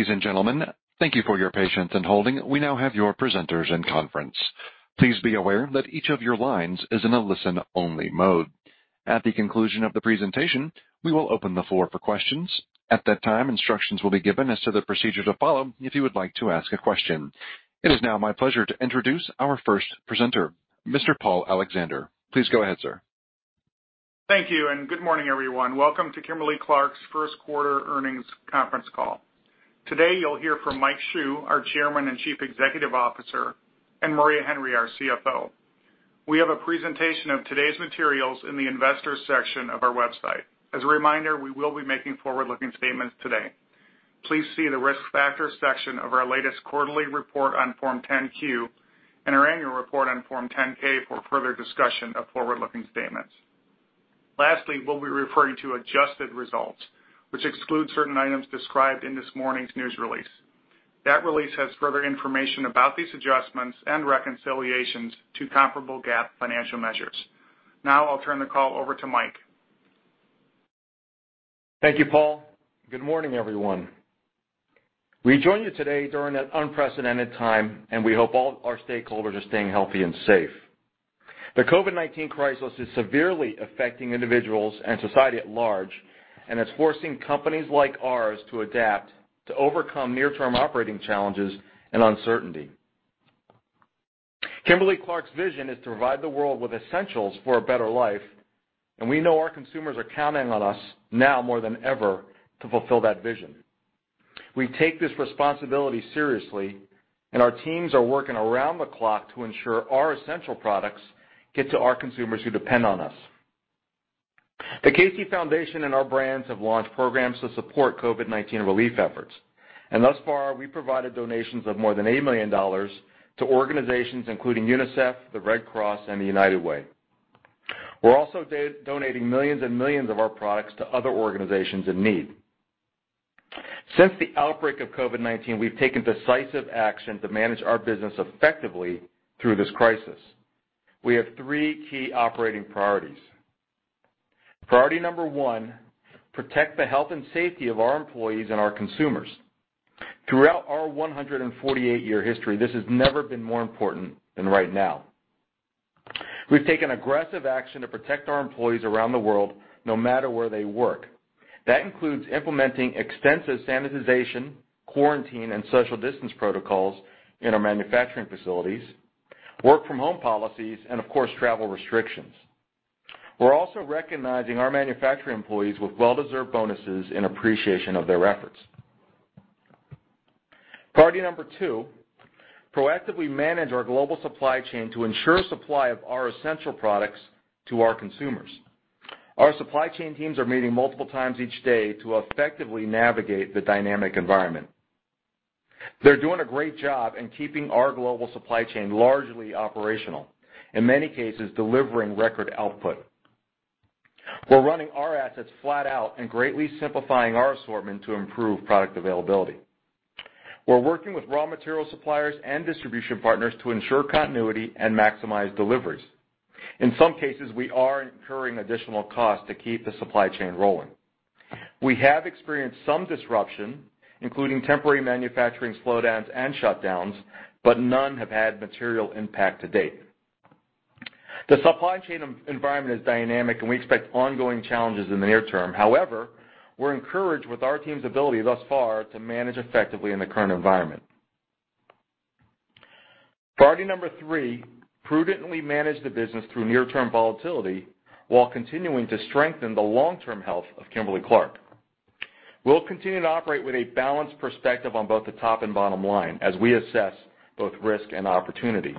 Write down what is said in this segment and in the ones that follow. Ladies and gentlemen, thank you for your patience in holding. We now have your presenters in conference. Please be aware that each of your lines is in a listen-only mode. At the conclusion of the presentation, we will open the floor for questions. At that time, instructions will be given as to the procedure to follow if you would like to ask a question. It is now my pleasure to introduce our first presenter, Mr. Paul Alexander. Please go ahead, sir. Thank you. Good morning, everyone. Welcome to Kimberly-Clark's First Quarter Earnings Conference Call. Today, you'll hear from Mike Hsu, our Chairman and Chief Executive Officer, and Maria Henry, our CFO. We have a presentation of today's materials in the Investors section of our website. As a reminder, we will be making forward-looking statements today. Please see the Risk Factor section of our latest quarterly report on Form 10-Q and our annual report on Form 10-K for further discussion of forward-looking statements. Lastly, we'll be referring to adjusted results, which exclude certain items described in this morning's news release. That release has further information about these adjustments and reconciliations to comparable GAAP financial measures. Now, I'll turn the call over to Mike. Thank you, Paul. Good morning, everyone. We join you today during an unprecedented time. We hope all our stakeholders are staying healthy and safe. The COVID-19 crisis is severely affecting individuals and society at large, and it's forcing companies like ours to adapt to overcome near-term operating challenges and uncertainty. Kimberly-Clark's vision is to provide the world with essentials for a better life, and we know our consumers are counting on us now more than ever to fulfill that vision. We take this responsibility seriously, and our teams are working around the clock to ensure our essential products get to our consumers who depend on us. The KC Foundation and our brands have launched programs to support COVID-19 relief efforts. Thus far, we've provided donations of more than $8 million to organizations including UNICEF, the Red Cross, and the United Way. We're also donating millions and millions of our products to other organizations in need. Since the outbreak of COVID-19, we've taken decisive action to manage our business effectively through this crisis. We have three key operating priorities. Priority number one, protect the health and safety of our employees and our consumers. Throughout our 148-year history, this has never been more important than right now. We've taken aggressive action to protect our employees around the world, no matter where they work. That includes implementing extensive sanitization, quarantine, and social distance protocols in our manufacturing facilities, work-from-home policies, and of course, travel restrictions. We're also recognizing our manufacturing employees with well-deserved bonuses in appreciation of their efforts. Priority number two, proactively manage our global supply chain to ensure supply of our essential products to our consumers. Our supply chain teams are meeting multiple times each day to effectively navigate the dynamic environment. They're doing a great job in keeping our global supply chain largely operational, in many cases, delivering record output. We're running our assets flat out and greatly simplifying our assortment to improve product availability. We're working with raw material suppliers and distribution partners to ensure continuity and maximize deliveries. In some cases, we are incurring additional costs to keep the supply chain rolling. We have experienced some disruption, including temporary manufacturing slowdowns and shutdowns, but none have had material impact to date. The supply chain environment is dynamic, and we expect ongoing challenges in the near term. However, we're encouraged with our team's ability thus far to manage effectively in the current environment. Priority number three, prudently manage the business through near-term volatility while continuing to strengthen the long-term health of Kimberly-Clark. We'll continue to operate with a balanced perspective on both the top and bottom line as we assess both risk and opportunity.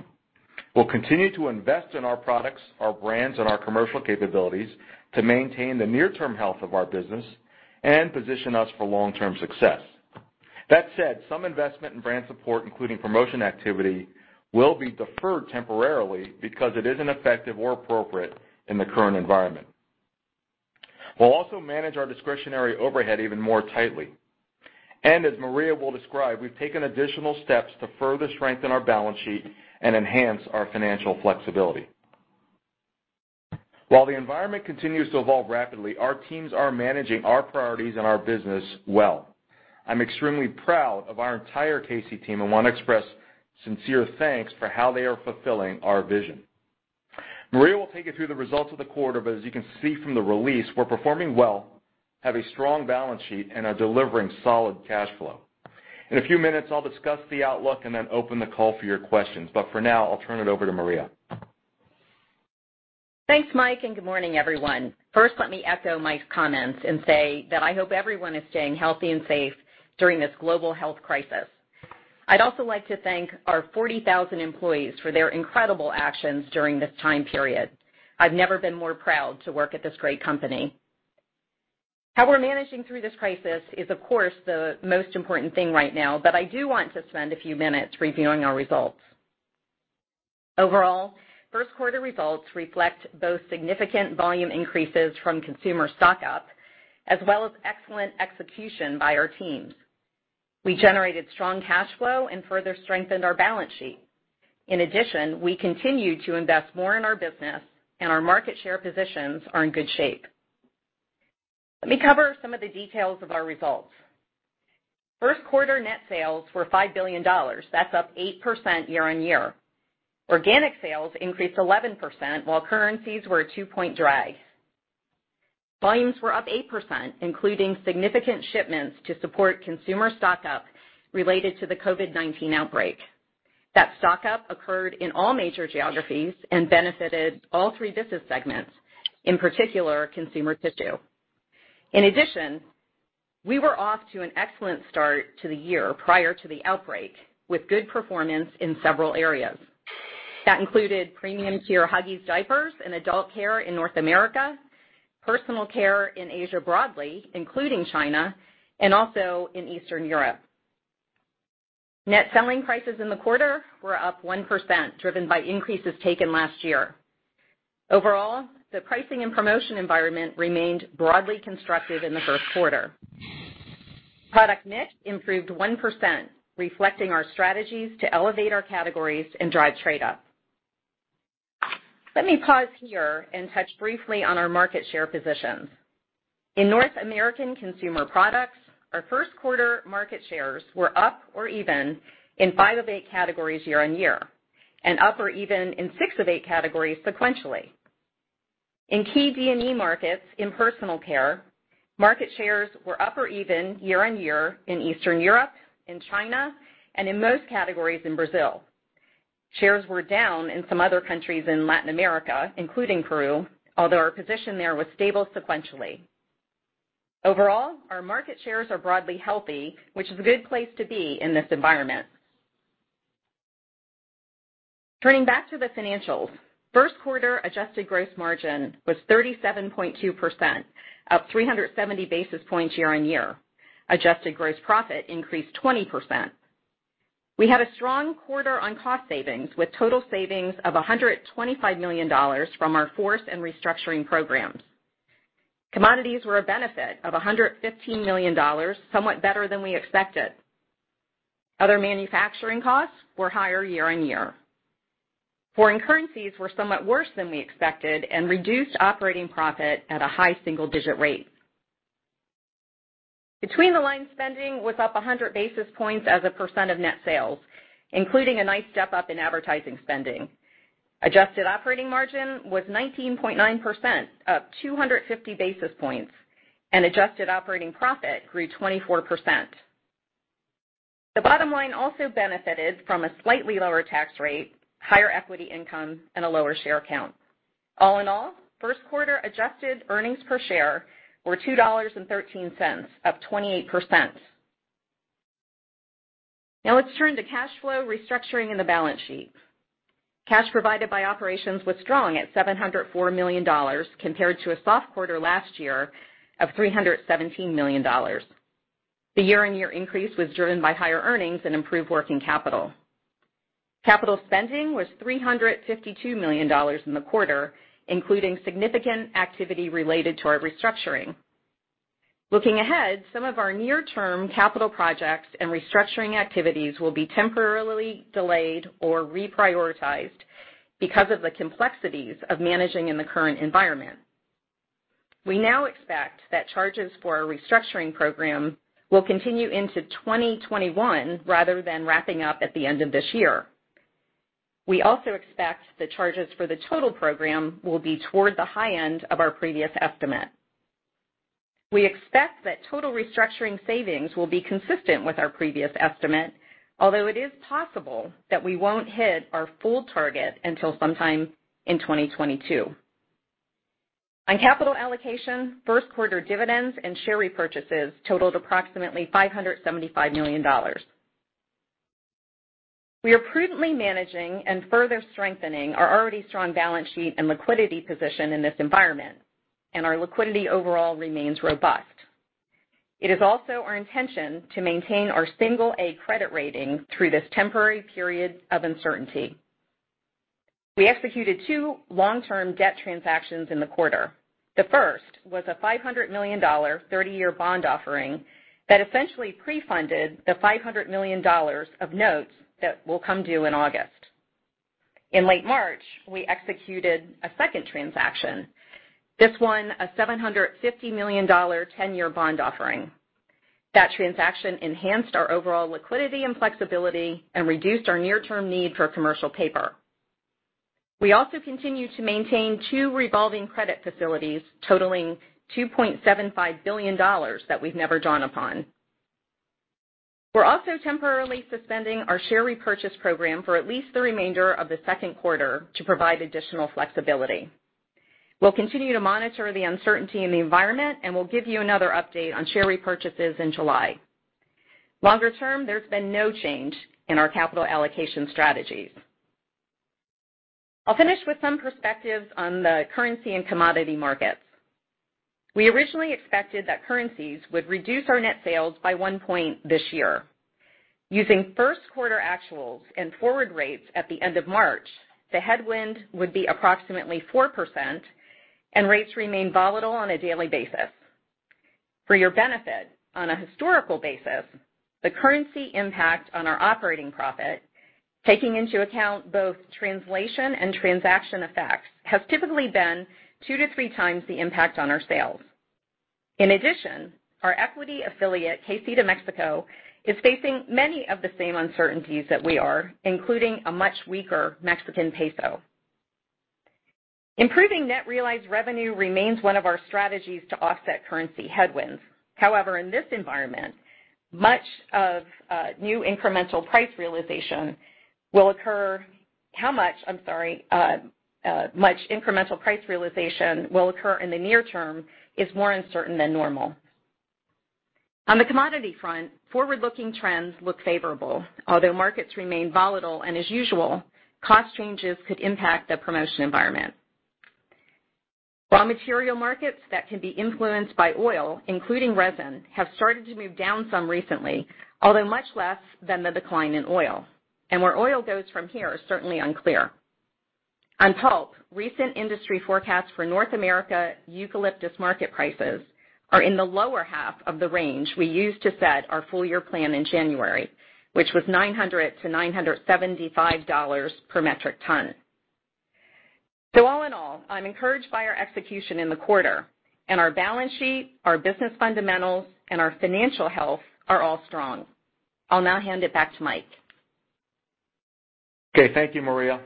We'll continue to invest in our products, our brands, and our commercial capabilities to maintain the near-term health of our business and position us for long-term success. That said, some investment in brand support, including promotion activity, will be deferred temporarily because it isn't effective or appropriate in the current environment. We'll also manage our discretionary overhead even more tightly. As Maria will describe, we've taken additional steps to further strengthen our balance sheet and enhance our financial flexibility. While the environment continues to evolve rapidly, our teams are managing our priorities and our business well. I'm extremely proud of our entire KC team and want to express sincere thanks for how they are fulfilling our vision. Maria will take you through the results of the quarter, but as you can see from the release, we're performing well, have a strong balance sheet, and are delivering solid cash flow. In a few minutes, I'll discuss the outlook and then open the call for your questions. For now, I'll turn it over to Maria. Thanks, Mike, and good morning, everyone. First, let me echo Mike's comments and say that I hope everyone is staying healthy and safe during this global health crisis. I'd also like to thank our 40,000 employees for their incredible actions during this time period. I've never been more proud to work at this great company. How we're managing through this crisis is, of course, the most important thing right now, but I do want to spend a few minutes reviewing our results. Overall, first quarter results reflect both significant volume increases from consumer stock-up, as well as excellent execution by our teams. We generated strong cash flow and further strengthened our balance sheet. In addition, we continue to invest more in our business, and our market share positions are in good shape. Let me cover some of the details of our results. First quarter net sales were $5 billion. That is up 8% year-on-year. Organic sales increased 11%, while currencies were a two-point drag. Volumes were up 8%, including significant shipments to support consumer stock-up related to the COVID-19 outbreak. That stock-up occurred in all major geographies and benefited all three business segments, in particular, consumer tissue. In addition, we were off to an excellent start to the year prior to the outbreak, with good performance in several areas. That included premium tier Huggies diapers and adult care in North America, personal care in Asia broadly, including China, and also in Eastern Europe. Net selling prices in the quarter were up 1%, driven by increases taken last year. Overall, the pricing and promotion environment remained broadly constructive in the first quarter. Product mix improved 1%, reflecting our strategies to elevate our categories and drive trade up. Let me pause here and touch briefly on our market share positions. In North American consumer products, our first quarter market shares were up or even in five of eight categories year-on-year and up or even in six of eight categories sequentially. In key D&E markets in personal care, market shares were up or even year-on-year in Eastern Europe, in China, and in most categories in Brazil. Shares were down in some other countries in Latin America, including Peru, although our position there was stable sequentially. Overall, our market shares are broadly healthy, which is a good place to be in this environment. Turning back to the financials, first quarter adjusted gross margin was 37.2%, up 370 basis points year-on-year. Adjusted gross profit increased 20%. We had a strong quarter on cost savings, with total savings of $125 million from our FORCE and restructuring programs. Commodities were a benefit of $115 million, somewhat better than we expected. Other manufacturing costs were higher year-on-year. Foreign currencies were somewhat worse than we expected and reduced operating profit at a high single-digit rate. Between-the-line spending was up 100 basis points as a percentage of net sales, including a nice step-up in advertising spending. Adjusted operating margin was 19.9%, up 250 basis points, and adjusted operating profit grew 24%. The bottom line also benefited from a slightly lower tax rate, higher equity income, and a lower share count. All in all, first quarter adjusted earnings per share were $2.13, up 28%. Now let's turn to cash flow, restructuring, and the balance sheet. Cash provided by operations was strong at $704 million, compared to a soft quarter last year of $317 million. The year-on-year increase was driven by higher earnings and improved working capital. Capital spending was $352 million in the quarter, including significant activity related to our restructuring. Looking ahead, some of our near-term capital projects and restructuring activities will be temporarily delayed or reprioritized because of the complexities of managing in the current environment. We now expect that charges for our restructuring program will continue into 2021 rather than wrapping up at the end of this year. We also expect the charges for the total program will be toward the high end of our previous estimate. We expect that total restructuring savings will be consistent with our previous estimate, although it is possible that we won't hit our full target until sometime in 2022. On capital allocation, first quarter dividends and share repurchases totaled approximately $575 million. We are prudently managing and further strengthening our already strong balance sheet and liquidity position in this environment, and our liquidity overall remains robust. It is also our intention to maintain our single A credit rating through this temporary period of uncertainty. We executed two long-term debt transactions in the quarter. The first was a $500 million 30-year bond offering that essentially pre-funded the $500 million of notes that will come due in August. In late March, we executed a second transaction, this one a $750 million 10-year bond offering. That transaction enhanced our overall liquidity and flexibility and reduced our near-term need for commercial paper. We also continue to maintain two revolving credit facilities totaling $2.75 billion that we've never drawn upon. We're also temporarily suspending our share repurchase program for at least the remainder of the second quarter to provide additional flexibility. We'll continue to monitor the uncertainty in the environment. We'll give you another update on share repurchases in July. Longer term, there's been no change in our capital allocation strategies. I'll finish with some perspectives on the currency and commodity markets. We originally expected that currencies would reduce our net sales by one point this year. Using first quarter actuals and forward rates at the end of March, the headwind would be approximately 4%. Rates remain volatile on a daily basis. For your benefit, on a historical basis, the currency impact on our operating profit, taking into account both translation and transaction effects, has typically been two to three times the impact on our sales. In addition, our equity affiliate, Kimberly-Clark de México, is facing many of the same uncertainties that we are, including a much weaker Mexican peso. Improving net realized revenue remains one of our strategies to offset currency headwinds. However, in this environment, how much of new incremental price realization will occur in the near term is more uncertain than normal. On the commodity front, forward-looking trends look favorable, although markets remain volatile, and as usual, cost changes could impact the promotion environment. Raw material markets that can be influenced by oil, including resin, have started to move down some recently, although much less than the decline in oil. Where oil goes from here is certainly unclear. On pulp, recent industry forecasts for North America eucalyptus market prices are in the lower half of the range we used to set our full-year plan in January, which was $900-$975 per metric ton. All in all, I'm encouraged by our execution in the quarter, and our balance sheet, our business fundamentals, and our financial health are all strong. I'll now hand it back to Mike. Okay, thank you, Maria.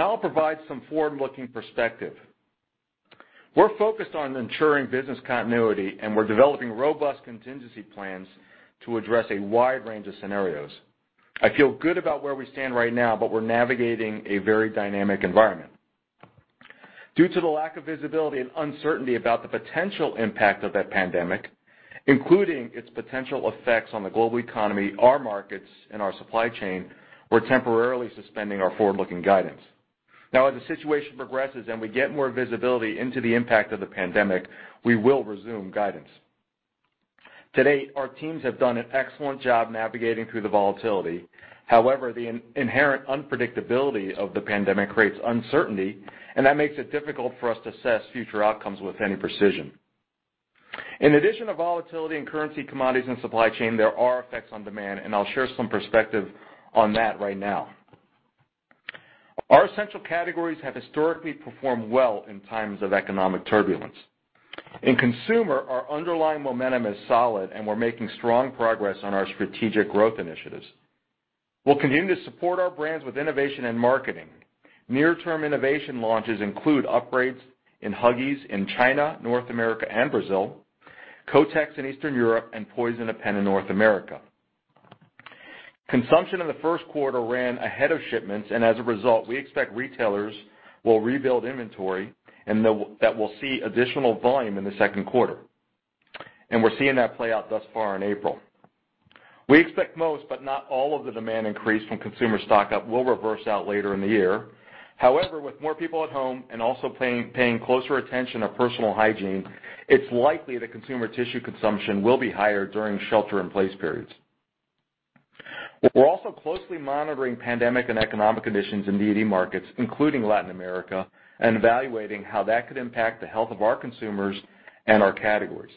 I'll provide some forward-looking perspective. We're focused on ensuring business continuity, and we're developing robust contingency plans to address a wide range of scenarios. I feel good about where we stand right now, but we're navigating a very dynamic environment. Due to the lack of visibility and uncertainty about the potential impact of that pandemic, including its potential effects on the global economy, our markets, and our supply chain, we're temporarily suspending our forward-looking guidance. As the situation progresses and we get more visibility into the impact of the pandemic, we will resume guidance. To date, our teams have done an excellent job navigating through the volatility. The inherent unpredictability of the pandemic creates uncertainty, and that makes it difficult for us to assess future outcomes with any precision. In addition to volatility in currency, commodities, and supply chain, there are effects on demand, and I'll share some perspective on that right now. Our essential categories have historically performed well in times of economic turbulence. In consumer, our underlying momentum is solid, and we're making strong progress on our strategic growth initiatives. We'll continue to support our brands with innovation and marketing. Near-term innovation launches include upgrades in Huggies in China, North America, and Brazil, Kotex in Eastern Europe, and Poise and Depend in North America. Consumption in the first quarter ran ahead of shipments. As a result, we expect retailers will rebuild inventory and that we'll see additional volume in the second quarter. We're seeing that play out thus far in April. We expect most, but not all of the demand increase from consumer stock-up will reverse out later in the year. However, with more people at home and also paying closer attention to personal hygiene, it's likely that consumer tissue consumption will be higher during shelter-in-place periods. We're also closely monitoring pandemic and economic conditions in D&E markets, including Latin America, and evaluating how that could impact the health of our consumers and our categories.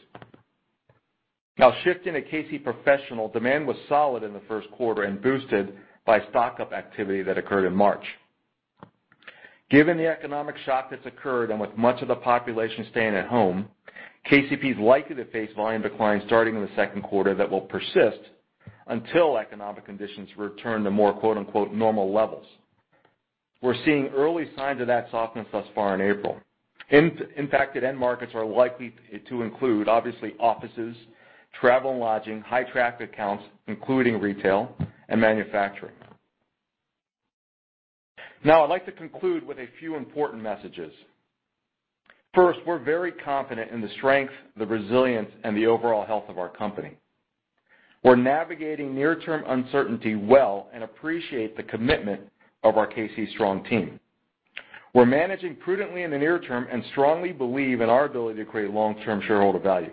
Now, shifting to Kimberly-Clark Professional, demand was solid in the first quarter and boosted by stock-up activity that occurred in March. Given the economic shock that's occurred, and with much of the population staying at home, KCP is likely to face volume decline starting in the second quarter that will persist until economic conditions return to more "normal" levels. We're seeing early signs of that softness thus far in April. Impacted end markets are likely to include obviously offices, travel and lodging, high-traffic accounts, including retail, and manufacturing. Now, I'd like to conclude with a few important messages. First, we're very confident in the strength, the resilience, and the overall health of our company. We're navigating near-term uncertainty well and appreciate the commitment of our KC Strong team. We're managing prudently in the near term and strongly believe in our ability to create long-term shareholder value.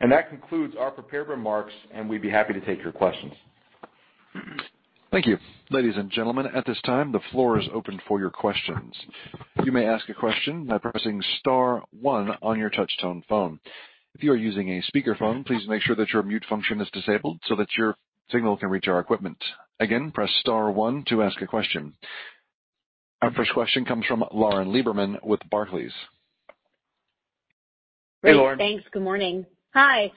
That concludes our prepared remarks, and we'd be happy to take your questions. Thank you. Ladies and gentlemen, at this time, the floor is open for your questions. You may ask a question by pressing star one on your touch-tone phone. If you are using a speakerphone, please make sure that your mute function is disabled so that your signal can reach our equipment. Again, press star one to ask a question. Our first question comes from Lauren Lieberman with Barclays. Hey, Lauren. Great. Thanks. Good morning. Hi.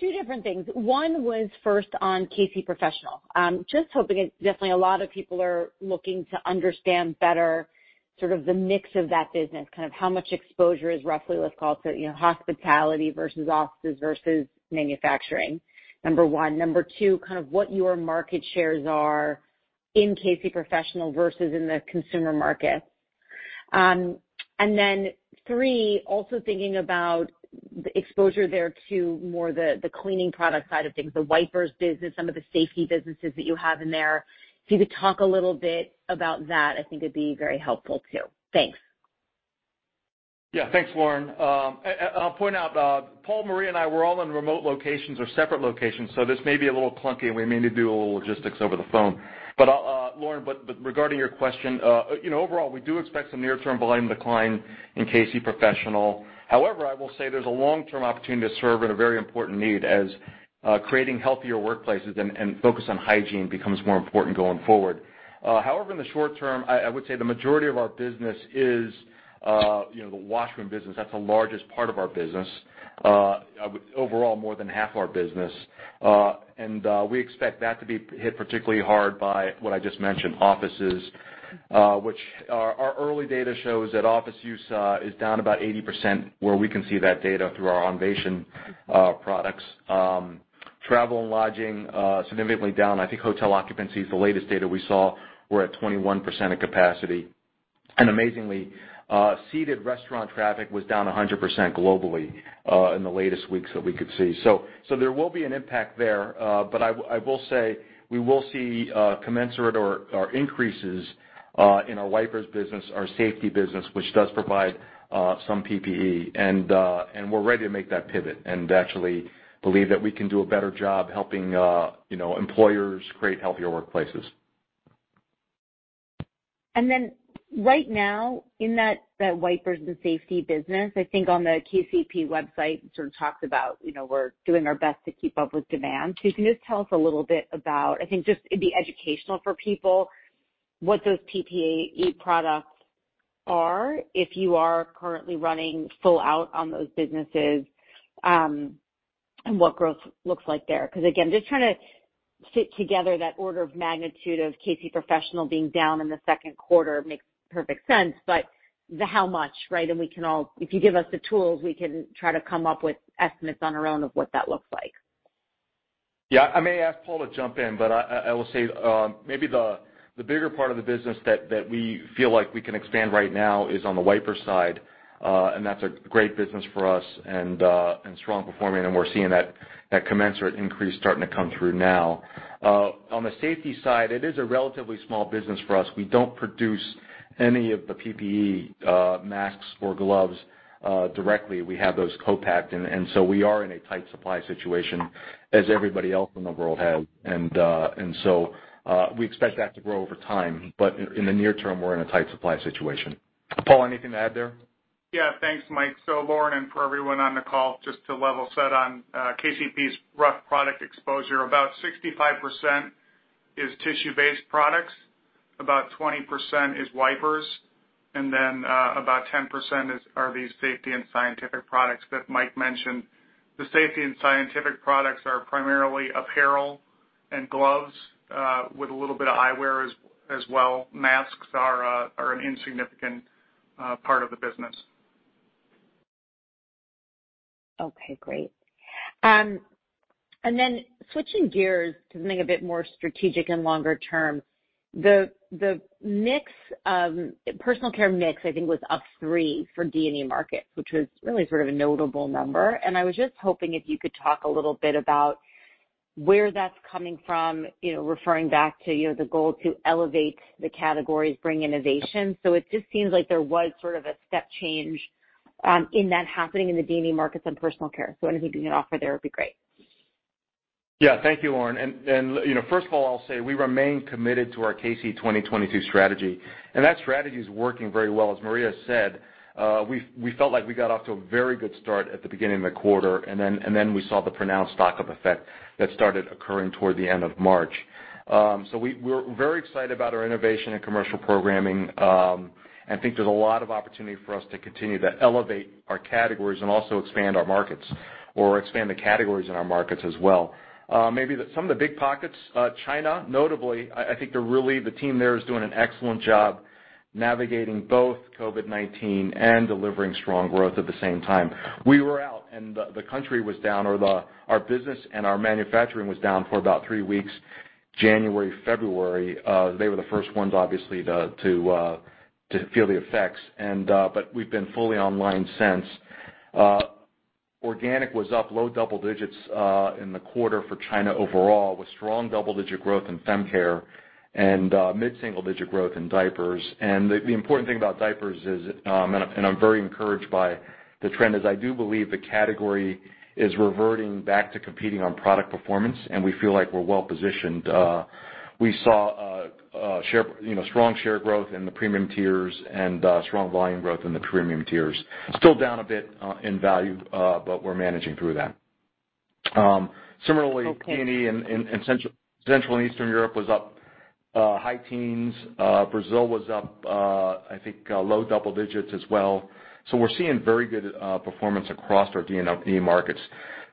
Two different things. One was first on Kimberly-Clark Professional. Definitely a lot of people are looking to understand better the mix of that business, how much exposure is roughly, let's call it, to hospitality versus offices versus manufacturing, number one. Number two, what your market shares are in Kimberly-Clark Professional versus in the consumer market. Three, also thinking about the exposure there to more the cleaning product side of things, the wipers business, some of the safety businesses that you have in there. If you could talk a little bit about that, I think it'd be very helpful, too. Thanks. Thanks, Lauren. I'll point out, Paul, Maria, and I, we're all in remote locations or separate locations, so this may be a little clunky, and we may need to do a little logistics over the phone. Regarding your question, overall, we do expect some near-term volume decline in Kimberly-Clark Professional. I will say there's a long-term opportunity to serve in a very important need as creating healthier workplaces and focus on hygiene becomes more important going forward. In the short term, I would say the majority of our business is the washroom business. That's the largest part of our business, overall, more than half our business. We expect that to be hit particularly hard by what I just mentioned, offices, which our early data shows that office use is down about 80% where we can see that data through our Onvation products. Travel and lodging, significantly down. I think hotel occupancy is the latest data we saw, we're at 21% of capacity. Amazingly, seated restaurant traffic was down 100% globally in the latest weeks that we could see. There will be an impact there. I will say, we will see commensurate or increases in our wipers business, our safety business, which does provide some PPE. We're ready to make that pivot and actually believe that we can do a better job helping employers create healthier workplaces. Right now in that wipers and safety business, I think on the KCP website, it sort of talks about we're doing our best to keep up with demand. If you can just tell us a little bit about, I think just it'd be educational for people, what those PPE products are, if you are currently running full out on those businesses, and what growth looks like there. Again, just trying to fit together that order of magnitude of Kimberly-Clark Professional being down in the second quarter makes perfect sense. The how much, right? If you give us the tools, we can try to come up with estimates on our own of what that looks like. Yeah. I may ask Paul to jump in. I will say, maybe the bigger part of the business that we feel like we can expand right now is on the wiper side. That's a great business for us and strong performing, and we're seeing that commensurate increase starting to come through now. On the safety side, it is a relatively small business for us. We don't produce any of the PPE masks or gloves directly. We have those co-packed. We are in a tight supply situation as everybody else in the world has. We expect that to grow over time. In the near term, we're in a tight supply situation. Paul, anything to add there? Yeah. Thanks, Mike. Lauren, and for everyone on the call, just to level set on KCP's rough product exposure, about 65% is tissue-based products, about 20% is wipers, and then about 10% are these safety and scientific products that Mike mentioned. The safety and scientific products are primarily apparel and gloves, with a little bit of eyewear as well. Masks are an insignificant part of the business. Okay, great. Then switching gears to something a bit more strategic and longer term, the personal care mix, I think, was up three for D&E markets, which was really sort of a notable number. I was just hoping if you could talk a little bit about where that's coming from, referring back to the goal to elevate the categories, bring innovation. It just seems like there was sort of a step change in that happening in the D&E markets and personal care. Anything you can offer there would be great. Yeah. Thank you, Lauren. First of all, I'll say we remain committed to our KC 2022 strategy, and that strategy is working very well. As Maria said, we felt like we got off to a very good start at the beginning of the quarter, and then we saw the pronounced stock-up effect that started occurring toward the end of March. We're very excited about our innovation and commercial programming, and think there's a lot of opportunity for us to continue to elevate our categories and also expand our markets or expand the categories in our markets as well. Maybe some of the big pockets, China, notably, I think the team there is doing an excellent job navigating both COVID-19 and delivering strong growth at the same time. We were out, and the country was down, or our business and our manufacturing was down for about three weeks, January, February. They were the first ones, obviously, to feel the effects. We've been fully online since. Organic was up low double digits in the quarter for China overall, with strong double-digit growth in fem care and mid-single-digit growth in diapers. The important thing about diapers is, and I'm very encouraged by the trend, is I do believe the category is reverting back to competing on product performance, and we feel like we're well-positioned. We saw strong share growth in the premium tiers and strong volume growth in the premium tiers. Still down a bit in value, but we're managing through that. Okay. Similarly, CEE in Central and Eastern Europe was up high teens. Brazil was up, I think, low double digits as well. We're seeing very good performance across our D&E markets.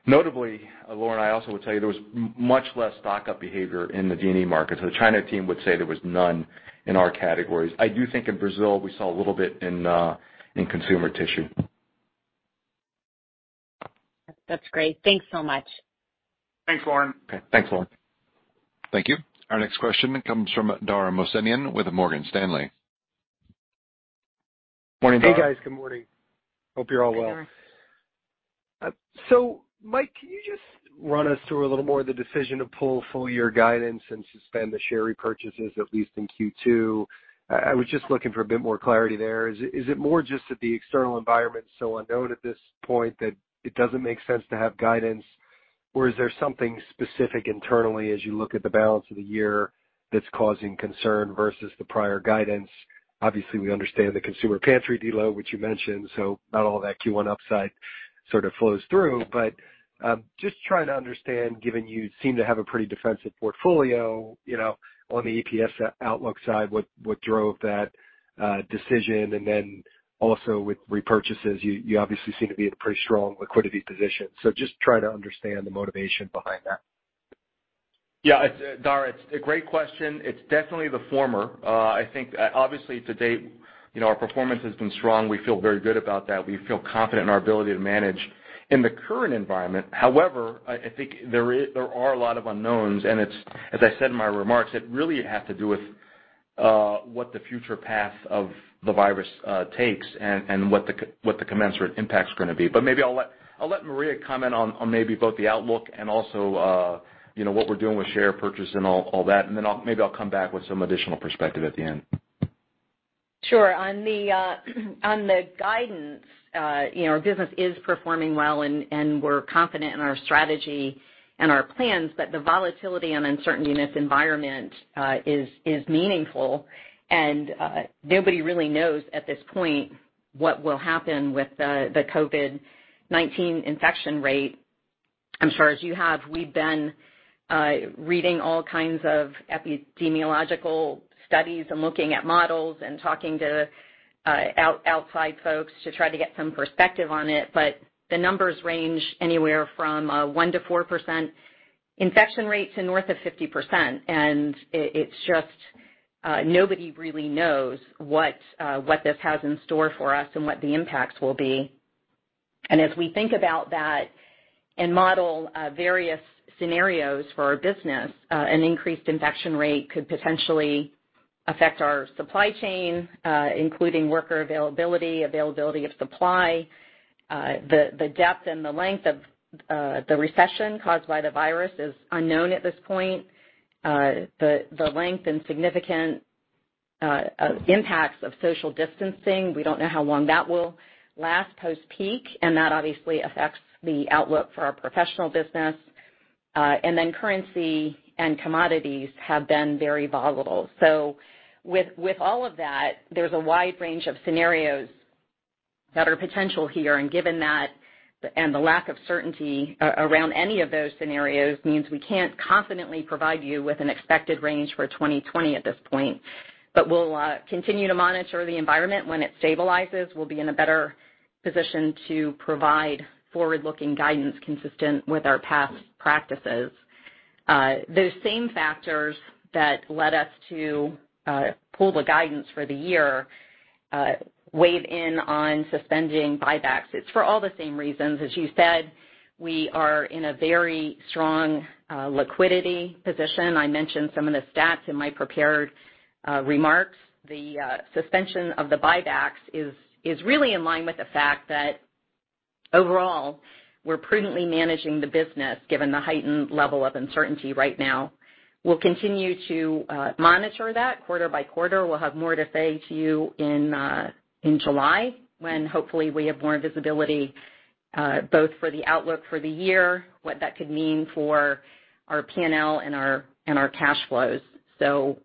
Notably, Lauren, I also would tell you there was much less stock-up behavior in the D&E markets. The China team would say there was none in our categories. I do think in Brazil, we saw a little bit in consumer tissue. That's great. Thanks so much. Thanks, Lauren. Okay. Thanks, Lauren. Thank you. Our next question comes from Dara Mohsenian with Morgan Stanley. Morning, Dara. Hey, guys. Good morning. Hope you're all well. Hi, Dara. Mike, can you just run us through a little more of the decision to pull full year guidance and suspend the share repurchases, at least in Q2? I was just looking for a bit more clarity there. Is it more just that the external environment is so unknown at this point that it doesn't make sense to have guidance? Is there something specific internally as you look at the balance of the year that's causing concern versus the prior guidance. Obviously, we understand the consumer pantry deload, which you mentioned, not all that Q1 upside sort of flows through. Just trying to understand, given you seem to have a pretty defensive portfolio on the EPS outlook side, what drove that decision? Also with repurchases, you obviously seem to be in a pretty strong liquidity position. Just trying to understand the motivation behind that. Yeah, Dara, it's a great question. It's definitely the former. I think obviously to date, our performance has been strong. We feel very good about that. We feel confident in our ability to manage in the current environment. However, I think there are a lot of unknowns, and as I said in my remarks, it really has to do with what the future path of the virus takes and what the commensurate impact is going to be. Maybe I'll let Maria comment on maybe both the outlook and also what we're doing with share purchase and all that. Maybe I'll come back with some additional perspective at the end. Sure. On the guidance, our business is performing well, and we're confident in our strategy and our plans, but the volatility and uncertainty in this environment is meaningful. Nobody really knows at this point what will happen with the COVID-19 infection rate. I'm sure as you have, we've been reading all kinds of epidemiological studies and looking at models and talking to outside folks to try to get some perspective on it. The numbers range anywhere from 1%-4% infection rates to north of 50%. It's just, nobody really knows what this has in store for us and what the impacts will be. As we think about that and model various scenarios for our business, an increased infection rate could potentially affect our supply chain, including worker availability of supply. The depth and the length of the recession caused by the virus is unknown at this point. The length and significant impacts of social distancing, we don't know how long that will last post-peak, and that obviously affects the outlook for our professional business. Currency and commodities have been very volatile. With all of that, there's a wide range of scenarios that are potential here. Given that, and the lack of certainty around any of those scenarios means we can't confidently provide you with an expected range for 2020 at this point. We'll continue to monitor the environment. When it stabilizes, we'll be in a better position to provide forward-looking guidance consistent with our past practices. Those same factors that led us to pull the guidance for the year weighed in on suspending buybacks. It's for all the same reasons. As you said, we are in a very strong liquidity position. I mentioned some of the stats in my prepared remarks. The suspension of the buybacks is really in line with the fact that overall, we're prudently managing the business, given the heightened level of uncertainty right now. We'll continue to monitor that quarter by quarter. We'll have more to say to you in July when hopefully we have more visibility, both for the outlook for the year, what that could mean for our P&L and our cash flows.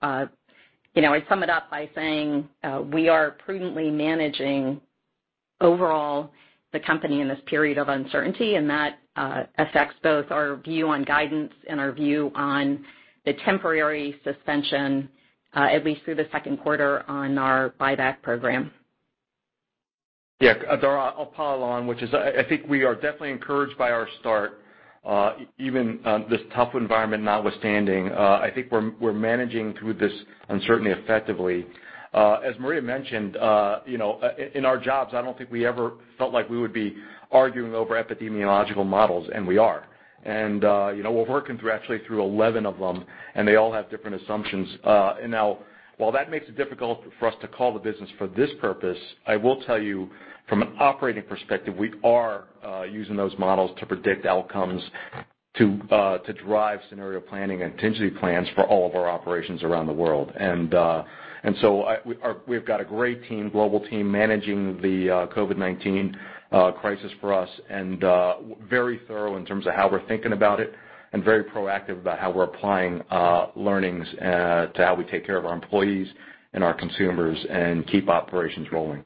I sum it up by saying we are prudently managing overall the company in this period of uncertainty, and that affects both our view on guidance and our view on the temporary suspension, at least through the second quarter, on our buyback program. Yeah, Dara, I'll pile on, which is, I think we are definitely encouraged by our start. Even this tough environment notwithstanding, I think we're managing through this uncertainty effectively. As Maria mentioned, in our jobs, I don't think we ever felt like we would be arguing over epidemiological models, and we are. We're working through, actually through 11 of them, and they all have different assumptions. Now, while that makes it difficult for us to call the business for this purpose, I will tell you from an operating perspective, we are using those models to predict outcomes to drive scenario planning and contingency plans for all of our operations around the world. We've got a great team, global team, managing the COVID-19 crisis for us and very thorough in terms of how we're thinking about it and very proactive about how we're applying learnings to how we take care of our employees and our consumers and keep operations rolling.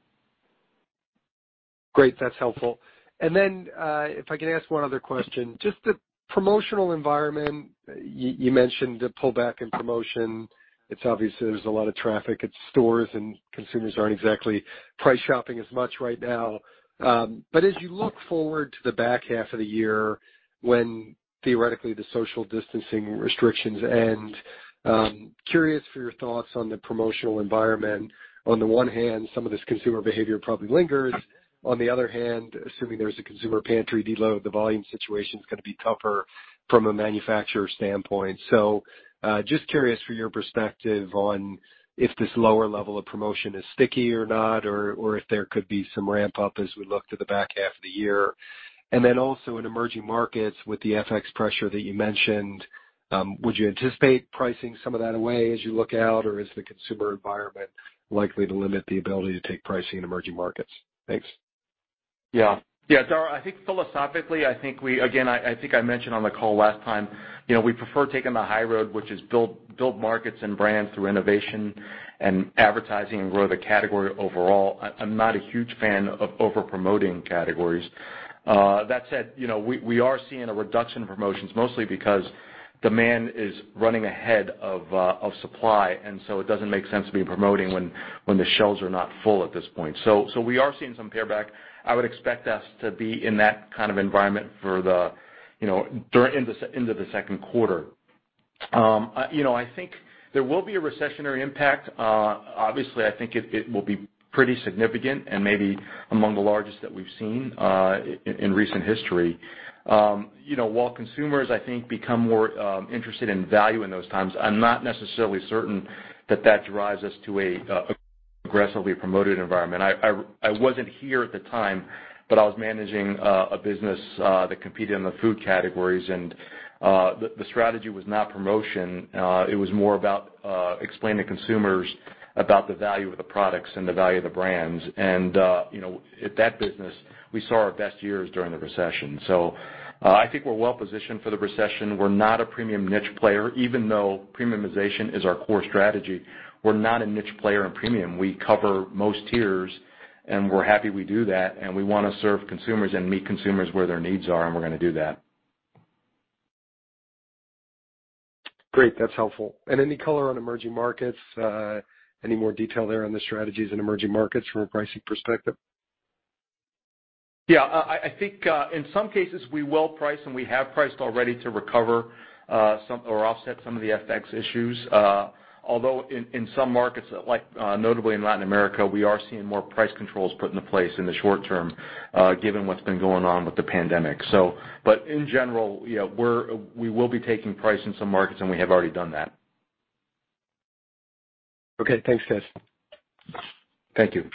Great. That's helpful. If I could ask one other question, just the promotional environment. You mentioned the pullback in promotion. It's obvious there's a lot of traffic at stores, and consumers aren't exactly price shopping as much right now. As you look forward to the back half of the year when theoretically the social distancing restrictions end, curious for your thoughts on the promotional environment. On the one hand, some of this consumer behavior probably lingers. On the other hand, assuming there's a consumer pantry deload, the volume situation's going to be tougher from a manufacturer standpoint. Just curious for your perspective on if this lower level of promotion is sticky or not or if there could be some ramp-up as we look to the back half of the year. Then also in emerging markets with the FX pressure that you mentioned, would you anticipate pricing some of that away as you look out, or is the consumer environment likely to limit the ability to take pricing in emerging markets? Thanks. Yeah. Dara, I think philosophically, again, I think I mentioned on the call last time, we prefer taking the high road, which is build markets and brands through innovation and advertising and grow the category overall. I'm not a huge fan of over-promoting categories. That said, we are seeing a reduction in promotions, mostly because demand is running ahead of supply, and so it doesn't make sense to be promoting when the shelves are not full at this point. We are seeing some pare back. I would expect us to be in that kind of environment into the second quarter. I think there will be a recessionary impact. Obviously, I think it will be pretty significant and maybe among the largest that we've seen in recent history. While consumers, I think, become more interested in value in those times, I'm not necessarily certain that that drives us to an aggressively promoted environment. I wasn't here at the time, but I was managing a business that competed in the food categories, and the strategy was not promotion. It was more about explaining to consumers about the value of the products and the value of the brands. At that business, we saw our best years during the recession. I think we're well-positioned for the recession. We're not a premium niche player. Even though premiumization is our core strategy, we're not a niche player in premium. We cover most tiers, and we're happy we do that, and we want to serve consumers and meet consumers where their needs are, and we're going to do that. Great. That's helpful. Any color on emerging markets? Any more detail there on the strategies in emerging markets from a pricing perspective? Yeah. I think, in some cases, we will price and we have priced already to recover or offset some of the FX issues. Although, in some markets, notably in Latin America, we are seeing more price controls put into place in the short term, given what's been going on with the pandemic. In general, we will be taking price in some markets, and we have already done that. Okay. Thanks, guys. Thank you.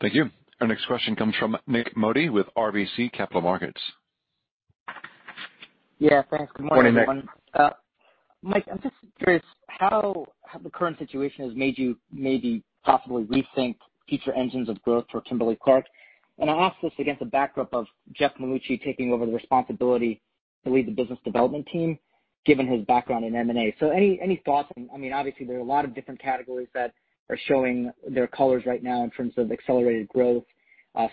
Thank you. Our next question comes from Nik Modi with RBC Capital Markets. Yeah, thanks. Good morning, everyone. Morning, Nik. Mike, I'm just curious how the current situation has made you maybe possibly rethink future engines of growth for Kimberly-Clark. I ask this against the backdrop of Jeff Melucci taking over the responsibility to lead the business development team, given his background in M&A. Any thoughts, obviously there are a lot of different categories that are showing their colors right now in terms of accelerated growth,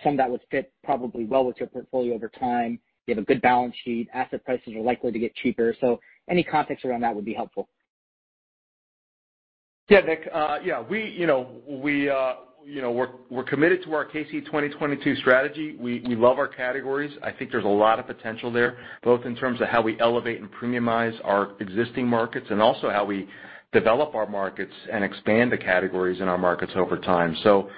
some that would fit probably well with your portfolio over time. You have a good balance sheet. Asset prices are likely to get cheaper. Any context around that would be helpful. Yeah, Nik. We're committed to our KC 2022 strategy. We love our categories. I think there's a lot of potential there, both in terms of how we elevate and premiumize our existing markets and also how we develop our markets and expand the categories in our markets over time. For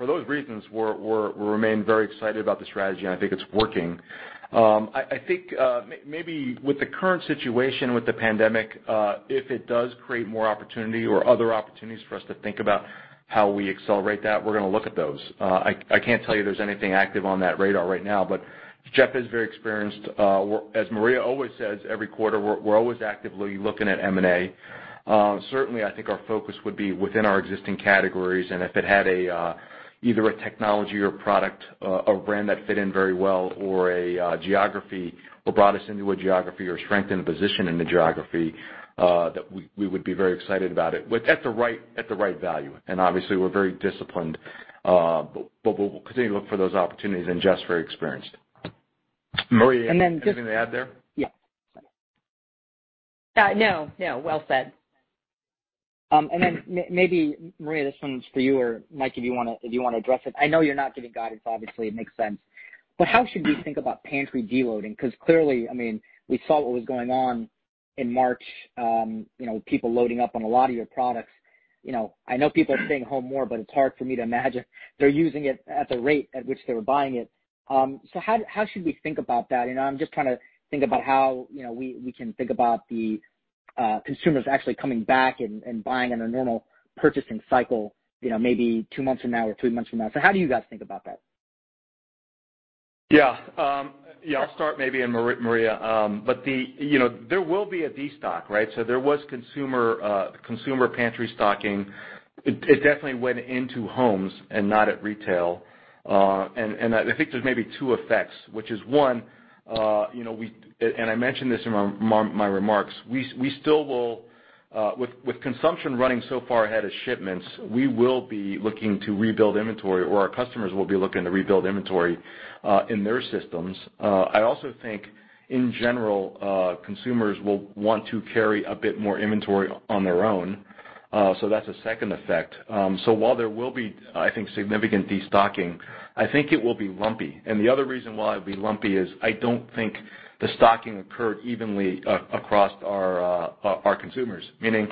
those reasons, we remain very excited about the strategy, and I think it's working. I think, maybe with the current situation with the pandemic, if it does create more opportunity or other opportunities for us to think about how we accelerate that, we're going to look at those. I can't tell you there's anything active on that radar right now. Jeff is very experienced. As Maria always says every quarter, we're always actively looking at M&A. Certainly, I think our focus would be within our existing categories, and if it had either a technology or product or brand that fit in very well or a geography or brought us into a geography or strengthened a position in the geography, that we would be very excited about it, at the right value. Obviously, we're very disciplined. We'll continue to look for those opportunities, and Jeff's very experienced. Maria, anything to add there? Yeah. No. Well said. Then maybe, Maria, this one's for you or Mike, if you want to address it. I know you're not giving guidance, obviously. It makes sense. How should we think about pantry de-loading? Because clearly, we saw what was going on in March, people loading up on a lot of your products. I know people are staying home more, but it's hard for me to imagine they're using it at the rate at which they were buying it. How should we think about that? I'm just trying to think about how we can think about the consumers actually coming back and buying on a normal purchasing cycle maybe two months from now or three months from now. How do you guys think about that? I'll start maybe, Maria. There will be a de-stock, right? There was consumer pantry stocking. It definitely went into homes and not at retail. I think there's maybe two effects, which is one, and I mentioned this in my remarks. With consumption running so far ahead of shipments, we will be looking to rebuild inventory, or our customers will be looking to rebuild inventory in their systems. I also think, in general, consumers will want to carry a bit more inventory on their own. That's a second effect. While there will be, I think, significant de-stocking, I think it will be lumpy. The other reason why it'll be lumpy is I don't think the stocking occurred evenly across our consumers. Meaning,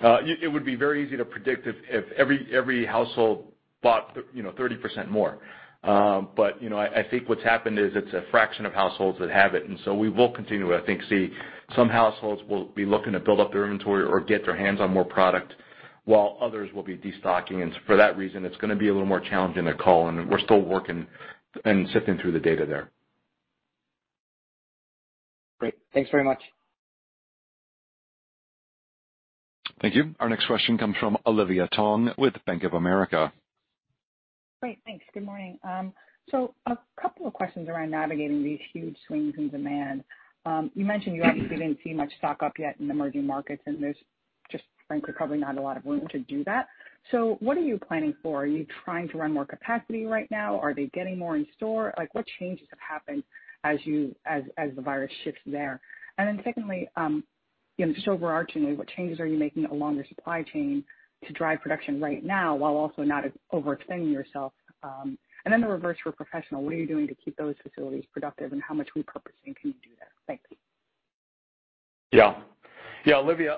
it would be very easy to predict if every household bought 30% more. I think what's happened is it's a fraction of households that have it, and so we will continue to, I think, see some households will be looking to build up their inventory or get their hands on more product, while others will be de-stocking. For that reason, it's going to be a little more challenging to call, and we're still working and sifting through the data there. Great. Thanks very much. Thank you. Our next question comes from Olivia Tong with Bank of America. Great. Thanks. Good morning. A couple of questions around navigating these huge swings in demand. You mentioned you obviously didn't see much stock-up yet in emerging markets, and there's just frankly, probably not a lot of room to do that. What are you planning for? Are you trying to run more capacity right now? Are they getting more in store? What changes have happened as the virus shifts there? Secondly, just overarchingly, what changes are you making along your supply chain to drive production right now, while also not overextending yourself? The reverse for Professional, what are you doing to keep those facilities productive, and how much repurposing can you do there? Thanks. Olivia,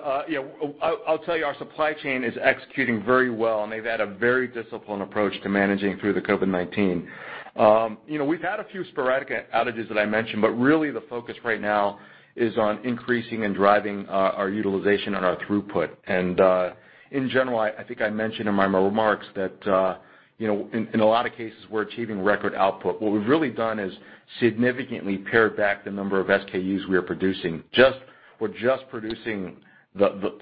I'll tell you, our supply chain is executing very well. They've had a very disciplined approach to managing through the COVID-19. We've had a few sporadic outages that I mentioned, really the focus right now is on increasing and driving our utilization and our throughput. In general, I think I mentioned in my remarks that in a lot of cases, we're achieving record output. What we've really done is significantly pared back the number of SKUs we are producing. We're just producing the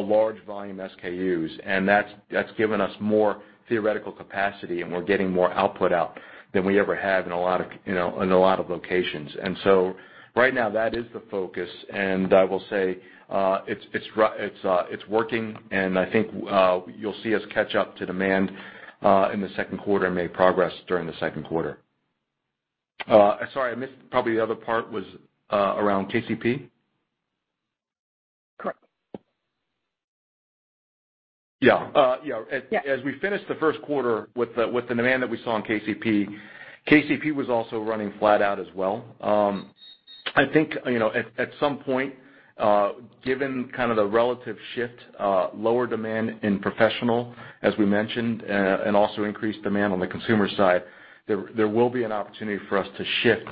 large volume SKUs, and that's given us more theoretical capacity, and we're getting more output out than we ever have in a lot of locations. Right now that is the focus, and I will say, it's working, and I think you'll see us catch up to demand in the second quarter and make progress during the second quarter. Sorry, I missed, probably the other part was around KCP? Correct. Yeah. Yeah. As we finished the first quarter with the demand that we saw in KCP was also running flat out as well. I think, at some point, given kind of the relative shift, lower demand in professional as we mentioned, and also increased demand on the consumer side, there will be an opportunity for us to shift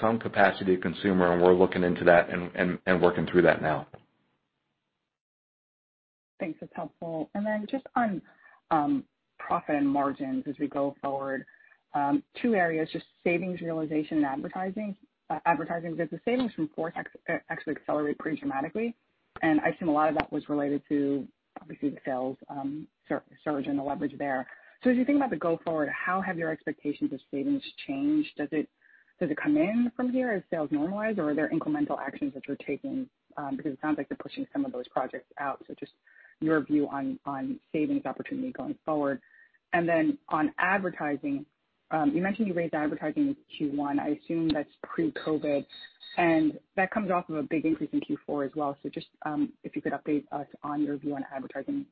some capacity to consumer, and we're looking into that and working through that now. Thanks. That's helpful. Then just on profit and margins as we go forward, two areas, just savings realization and advertising. Did the savings from FORCE actually accelerate pretty dramatically? I assume a lot of that was related to obviously the sales surge and the leverage there. As you think about the go forward, how have your expectations of savings changed? Does it come in from here as sales normalize, or are there incremental actions that you're taking? Because it sounds like you're pushing some of those projects out. Just your view on savings opportunity going forward. Then on advertising, you mentioned you raised advertising in Q1. I assume that's pre-COVID-19, and that comes off of a big increase in Q4 as well. Just if you could update us on your view on advertising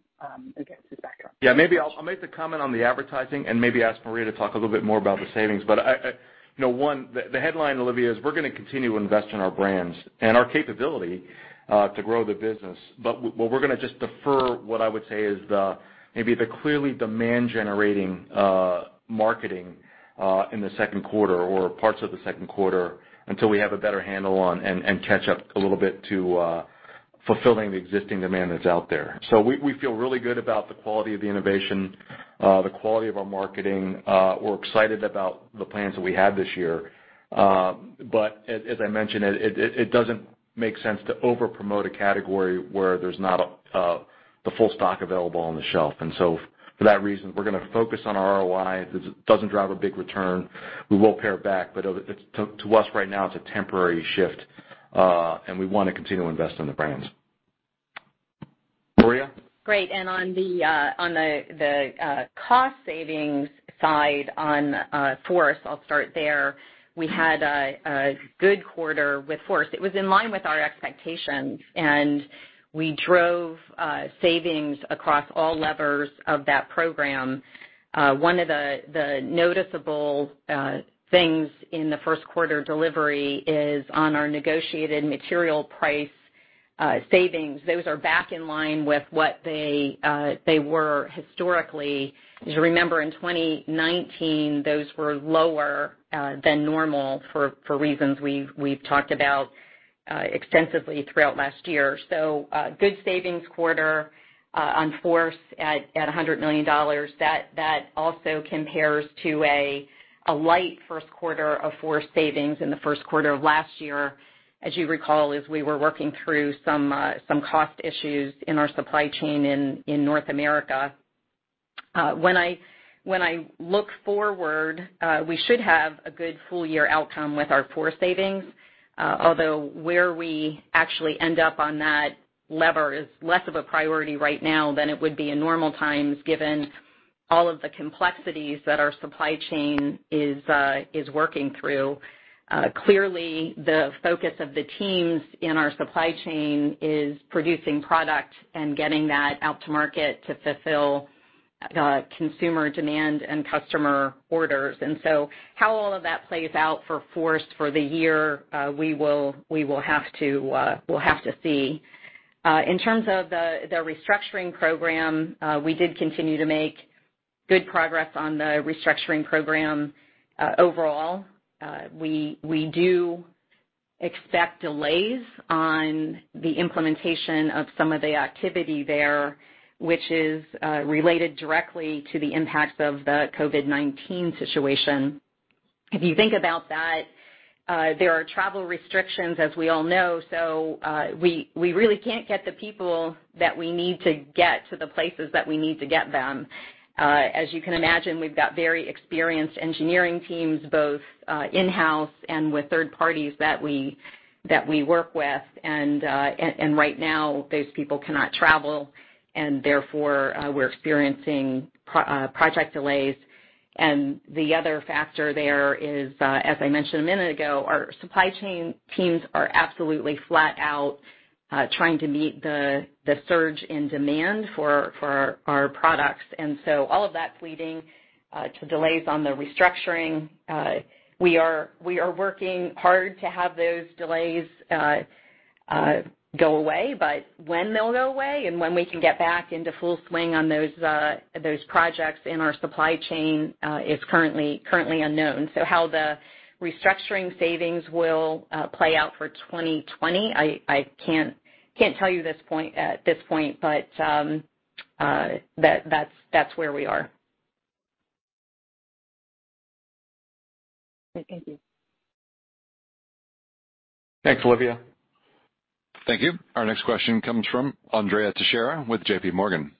against this background. Yeah. I'll make the comment on the advertising and maybe ask Maria to talk a little bit more about the savings. One, the headline, Olivia, is we're going to continue to invest in our brands and our capability to grow the business. What we're going to just defer, what I would say is the, maybe the clearly demand-generating marketing in the second quarter or parts of the second quarter until we have a better handle on, and catch up a little bit to fulfilling the existing demand that's out there. We feel really good about the quality of the innovation, the quality of our marketing. We're excited about the plans that we had this year. As I mentioned, it doesn't make sense to over-promote a category where there's not the full stock available on the shelf. For that reason, we're going to focus on our ROI. If it doesn't drive a big return, we will pare back. To us right now, it's a temporary shift, and we want to continue to invest in the brands. Maria? Great. On the cost savings side on FORCE, I'll start there. We had a good quarter with FORCE. It was in line with our expectations, and we drove savings across all levers of that program. One of the noticeable things in the first quarter delivery is on our negotiated material price savings. Those are back in line with what they were historically. As you remember, in 2019, those were lower than normal for reasons we've talked about extensively throughout last year. A good savings quarter on FORCE at $100 million. That also compares to a light first quarter of FORCE savings in the first quarter of last year. As you recall, as we were working through some cost issues in our supply chain in North America. When I look forward, we should have a good full-year outcome with our FORCE savings. Although where we actually end up on that lever is less of a priority right now than it would be in normal times, given all of the complexities that our supply chain is working through. Clearly, the focus of the teams in our supply chain is producing product and getting that out to market to fulfill consumer demand and customer orders. How all of that plays out for FORCE for the year, we'll have to see. In terms of the restructuring program, we did continue to make good progress on the restructuring program overall. We do expect delays on the implementation of some of the activity there, which is related directly to the impacts of the COVID-19 situation. If you think about that, there are travel restrictions, as we all know. We really can't get the people that we need to get to the places that we need to get them. As you can imagine, we've got very experienced engineering teams, both in-house and with third parties that we work with. Right now, those people cannot travel, and therefore, we're experiencing project delays. The other factor there is, as I mentioned a minute ago, our supply chain teams are absolutely flat out trying to meet the surge in demand for our products. All of that's leading to delays on the restructuring. We are working hard to have those delays go away. When they'll go away and when we can get back into full swing on those projects in our supply chain is currently unknown. How the restructuring savings will play out for 2020, I can't tell you at this point, but that's where we are. Okay. Thank you. Thanks, Olivia. Thank you. Our next question comes from Andrea Teixeira with JPMorgan.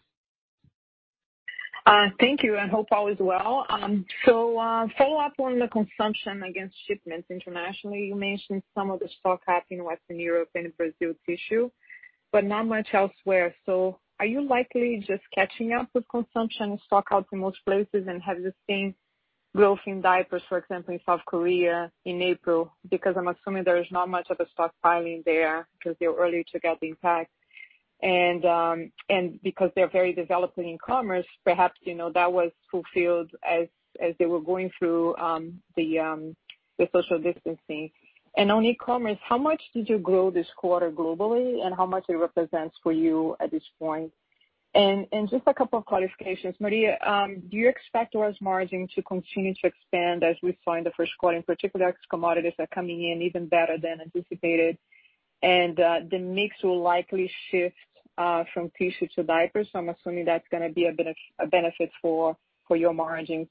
Thank you, and hope all is well. Follow-up on the consumption against shipments internationally. You mentioned some of the stock-up in Western Europe and Brazil tissue, but not much elsewhere. Are you likely just catching up with consumption and stock-ups in most places, and have you seen growth in diapers, for example, in South Korea in April? Because I'm assuming there is not much of a stockpiling there because they're early to get the impact. Because they're very developed in e-commerce, perhaps that was fulfilled as they were going through the social distancing. On e-commerce, how much did you grow this quarter globally, and how much it represents for you at this point? Just a couple of clarifications. Maria, do you expect gross margin to continue to expand as we saw in the first quarter, in particular, as commodities are coming in even better than anticipated and the mix will likely shift from tissue to diapers? I'm assuming that's going to be a benefit for your margin.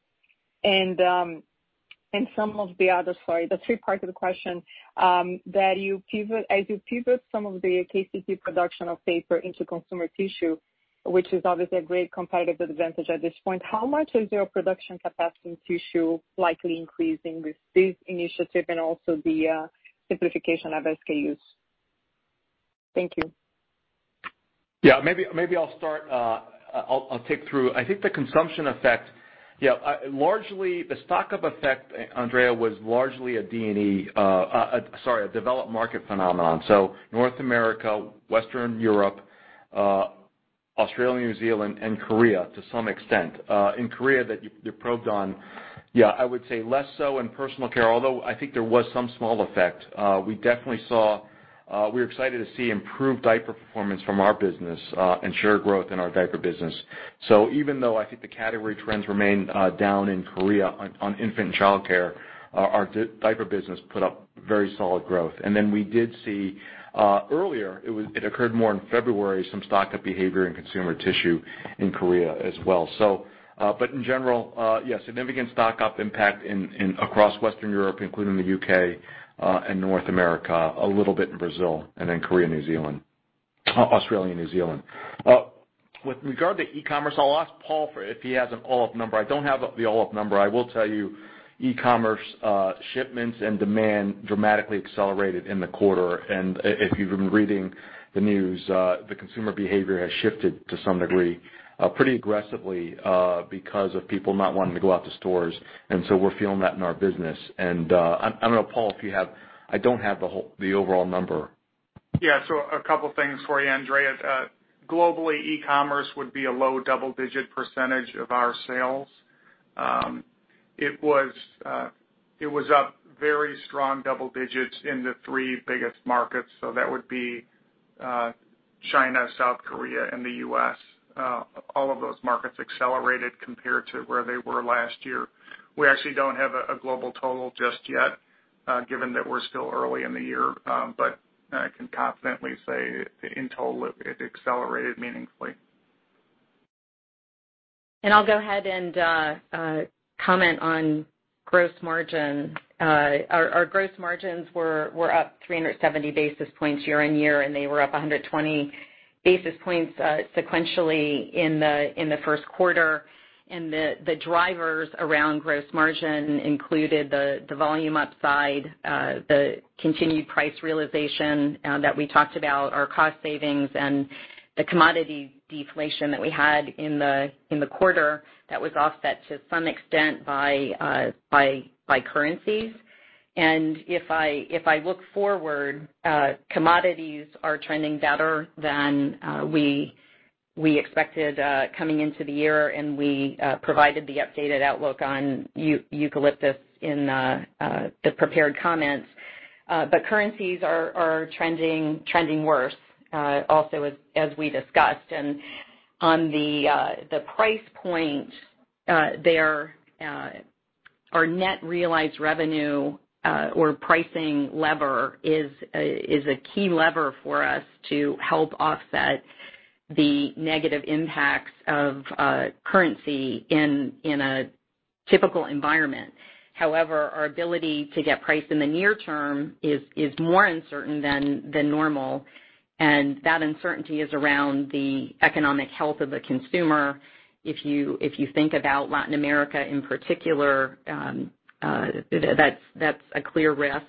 Sorry, the three parts of the question, as you pivot some of the KCP production of paper into consumer tissue, which is obviously a great competitive advantage at this point, how much is your production capacity in tissue likely increasing with this initiative and also the simplification of SKUs? Thank you. Maybe I'll start. I'll take through. I think the consumption effect. Largely the stock-up effect, Andrea, was largely a developed market phenomenon. North America, Western Europe, Australia, New Zealand, and Korea to some extent. In Korea that you probed on, I would say less so in personal care, although I think there was some small effect. We're excited to see improved diaper performance from our business and share growth in our diaper business. Even though I think the category trends remain down in Korea on infant and childcare, our diaper business put up very solid growth. Then we did see, earlier, it occurred more in February, some stock-up behavior in consumer tissue in Korea as well. In general, yes, significant stock-up impact across Western Europe, including the U.K. and North America, a little bit in Brazil, and Korea, Australia, and New Zealand. With regard to e-commerce, I'll ask Paul if he has an all-up number. I don't have the all-up number. I will tell you, e-commerce shipments and demand dramatically accelerated in the quarter. If you've been reading the news, the consumer behavior has shifted to some degree, pretty aggressively, because of people not wanting to go out to stores. So we're feeling that in our business. I don't know, Paul, I don't have the overall number. Yeah. A couple things for you, Andrea. Globally, e-commerce would be a low double-digit percentage of our sales. It was up very strong double digits in the three biggest markets. That would be China, South Korea, and the U.S. All of those markets accelerated compared to where they were last year. We actually don't have a global total just yet, given that we're still early in the year. I can confidently say in total, it accelerated meaningfully. I'll go ahead and comment on gross margin. Our gross margins were up 370 basis points year-over-year, and they were up 120 basis points sequentially in the first quarter. The drivers around gross margin included the volume upside, the continued price realization that we talked about, our cost savings, and the commodity deflation that we had in the quarter that was offset to some extent by currencies. If I look forward, commodities are trending better than we expected coming into the year, and we provided the updated outlook on eucalyptus in the prepared comments. Currencies are trending worse also as we discussed. On the price point there, our net realized revenue or pricing lever is a key lever for us to help offset the negative impacts of currency in a typical environment. Our ability to get price in the near term is more uncertain than normal, and that uncertainty is around the economic health of the consumer. If you think about Latin America in particular, that's a clear risk.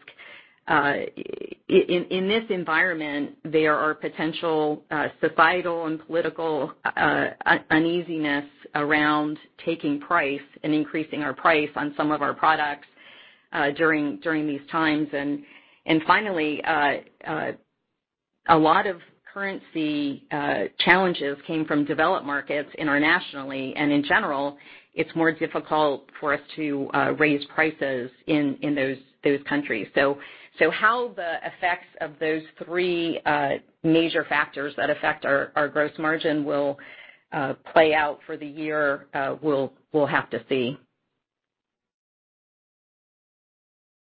In this environment, there are potential societal and political uneasiness around taking price and increasing our price on some of our products during these times. Finally, a lot of currency challenges came from developed markets internationally, and in general, it's more difficult for us to raise prices in those countries. How the effects of those three major factors that affect our gross margin will play out for the year, we'll have to see.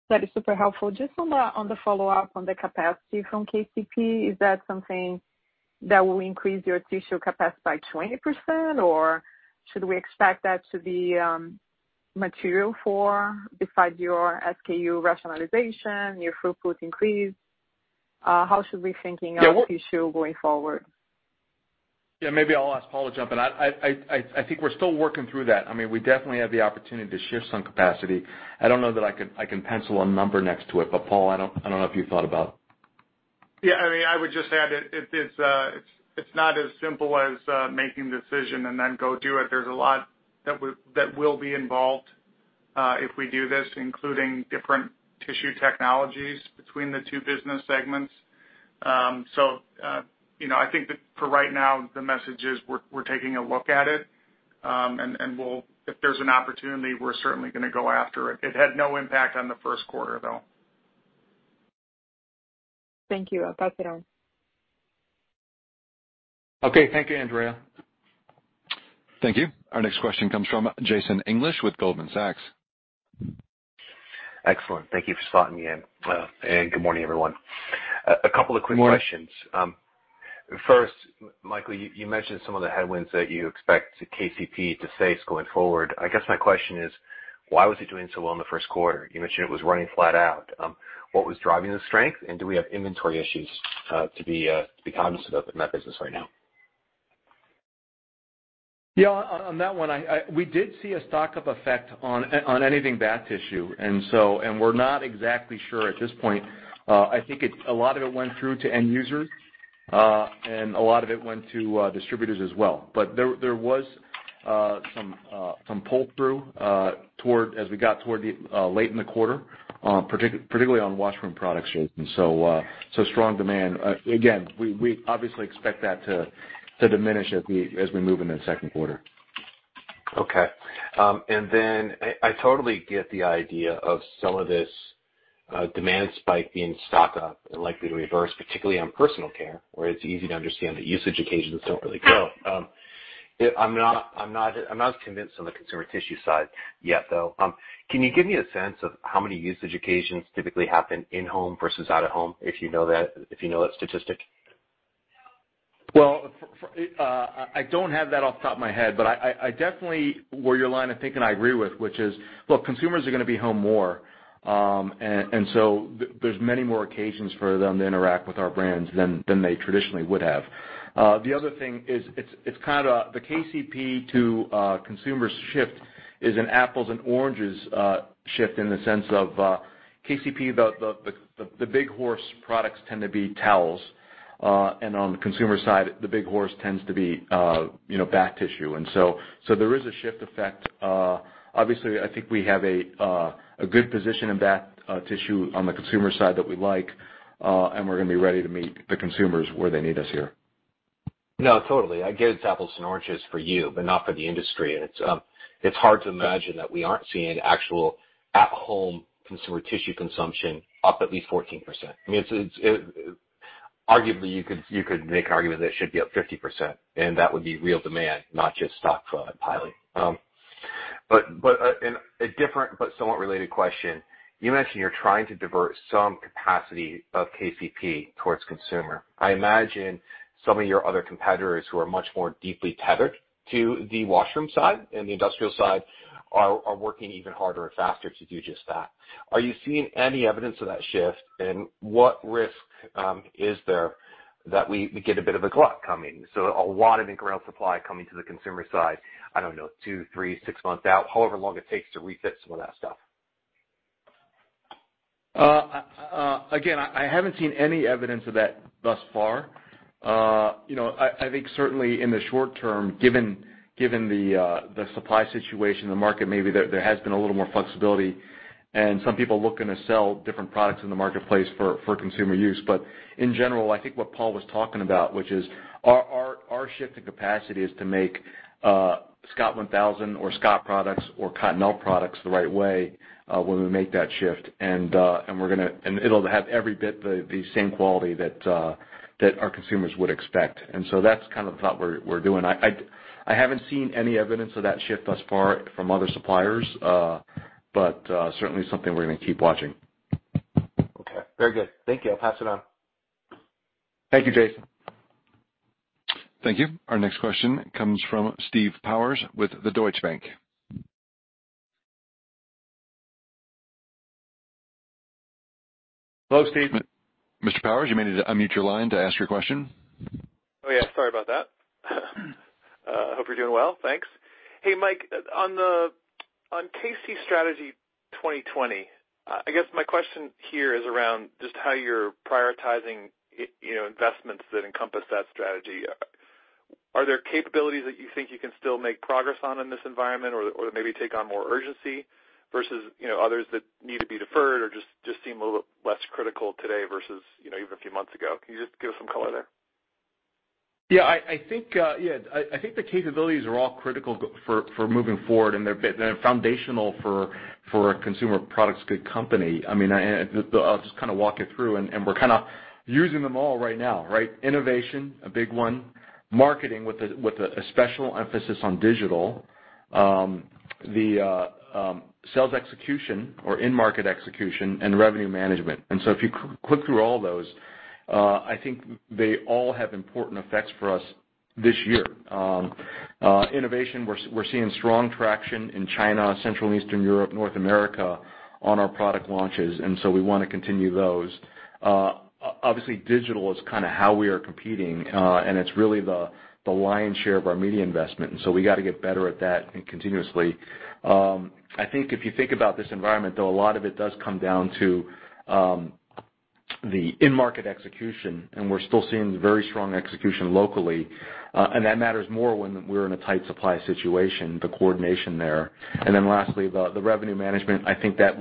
That is super helpful. Just on the follow-up on the capacity from KCP, is that something that will increase your tissue capacity by 20% or should we expect that to be material for, besides your SKU rationalization, your throughput increase? How should we be thinking of tissue going forward? Maybe I'll ask Paul to jump in. I think we're still working through that. We definitely have the opportunity to shift some capacity. I don't know that I can pencil a number next to it, but Paul, I don't know if you've thought about it. Yeah, I would just add, it's not as simple as making the decision and then go do it. There's a lot that will be involved, if we do this, including different tissue technologies between the two business segments. I think that for right now, the message is we're taking a look at it, and if there's an opportunity, we're certainly going to go after it. It had no impact on the first quarter, though. Thank you. I'll pass it on. Okay. Thank you, Andrea. Thank you. Our next question comes from Jason English with Goldman Sachs. Excellent. Thank you for spotting me in. Good morning, everyone. Two quick questions. Good morning. Michael, you mentioned some of the headwinds that you expect KCP to face going forward. I guess my question is, why was it doing so well in the first quarter? You mentioned it was running flat out. What was driving the strength, do we have inventory issues to be cognizant of in that business right now? Yeah, on that one, we did see a stock-up effect on anything bath tissue. We're not exactly sure at this point. I think a lot of it went through to end users, and a lot of it went to distributors as well. There was some pull-through as we got toward late in the quarter, particularly on washroom products, Jason. Strong demand. Again, we obviously expect that to diminish as we move into the second quarter. Okay. I totally get the idea of some of this demand spike being stock up and likely to reverse, particularly on personal care, where it's easy to understand the usage occasions don't really go. I'm not as convinced on the consumer tissue side yet, though. Can you give me a sense of how many usage occasions typically happen in home versus out of home, if you know that statistic? Well, I don't have that off the top of my head, but I definitely where your line of thinking I agree with, which is, look, consumers are going to be home more. There's many more occasions for them to interact with our brands than they traditionally would have. The other thing is, the KCP to consumer shift is an apples and oranges shift in the sense of KCP, the big horse products tend to be towels, and on the consumer side, the big horse tends to be bath tissue. There is a shift effect. Obviously, I think we have a good position in bath tissue on the consumer side that we like, and we're going to be ready to meet the consumers where they need us here. No, totally. I get it's apples and oranges for you, but not for the industry. It's hard to imagine that we aren't seeing actual at-home consumer tissue consumption up at least 14%. You could make an argument that it should be up 50% and that would be real demand, not just stockpiling. A different but somewhat related question, you mentioned you're trying to divert some capacity of KCP towards consumer. I imagine some of your other competitors who are much more deeply tethered to the washroom side and the industrial side are working even harder and faster to do just that. Are you seeing any evidence of that shift, and what risk is there that we get a bit of a glut coming? A lot of incremental supply coming to the consumer side, I don't know, two, three, six months out, however long it takes to refit some of that stuff. Again, I haven't seen any evidence of that thus far. I think certainly in the short term, given the supply situation in the market, maybe there has been a little more flexibility and some people looking to sell different products in the marketplace for consumer use. In general, I think what Paul was talking about, which is our shift in capacity is to make Scott 1000 or Scott products or Cottonelle products the right way, when we make that shift. It'll have every bit the same quality that our consumers would expect. That's kind of the thought we're doing. I haven't seen any evidence of that shift thus far from other suppliers. Certainly something we're going to keep watching. Very good. Thank you. I'll pass it on. Thank you, Jason. Thank you. Our next question comes from Steve Powers with the Deutsche Bank. Hello, Steve. Mr. Powers, you may need to unmute your line to ask your question. Oh, yeah. Sorry about that. Hope you're doing well. Thanks. Hey, Mike, on KC Strategy 2020, I guess my question here is around just how you're prioritizing investments that encompass that strategy. Are there capabilities that you think you can still make progress on in this environment or that maybe take on more urgency versus others that need to be deferred or just seem a little less critical today versus even a few months ago? Can you just give us some color there? Yeah. I think the capabilities are all critical for moving forward. They're foundational for a consumer products goods company. I'll just kind of walk you through. We're kind of using them all right now, right? Innovation, a big one. Marketing with a special emphasis on digital. The sales execution or in-market execution, and revenue management. If you click through all those, I think they all have important effects for us this year. Innovation, we're seeing strong traction in China, Central and Eastern Europe, North America on our product launches. We want to continue those. Obviously, digital is kind of how we are competing. It's really the lion's share of our media investment. We got to get better at that and continuously. I think if you think about this environment, though, a lot of it does come down to the in-market execution, and we're still seeing very strong execution locally. That matters more when we're in a tight supply situation, the coordination there. Then lastly, the revenue management, I think that's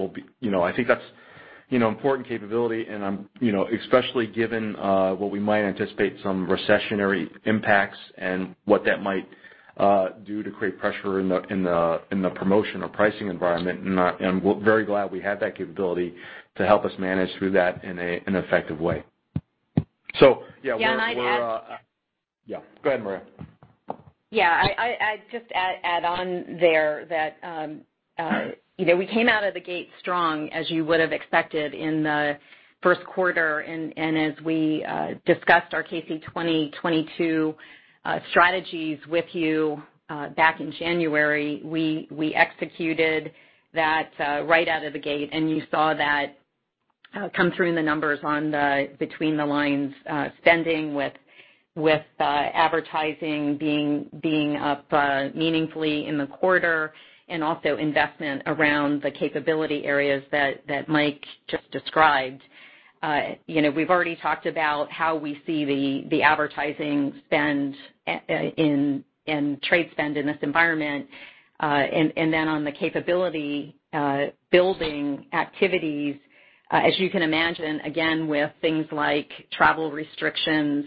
important capability especially given what we might anticipate some recessionary impacts and what that might do to create pressure in the promotion or pricing environment. We're very glad we have that capability to help us manage through that in an effective way. yeah. Yeah. Yeah, go ahead, Maria. Yeah. I'd just add on there that we came out of the gate strong as you would've expected in the first quarter. As we discussed our KC 2022 strategies with you back in January, we executed that right out of the gate, and you saw that come through in the numbers on the between the lines spending with advertising being up meaningfully in the quarter and also investment around the capability areas that Mike just described. We've already talked about how we see the advertising spend and trade spend in this environment. On the capability building activities, as you can imagine, again, with things like travel restrictions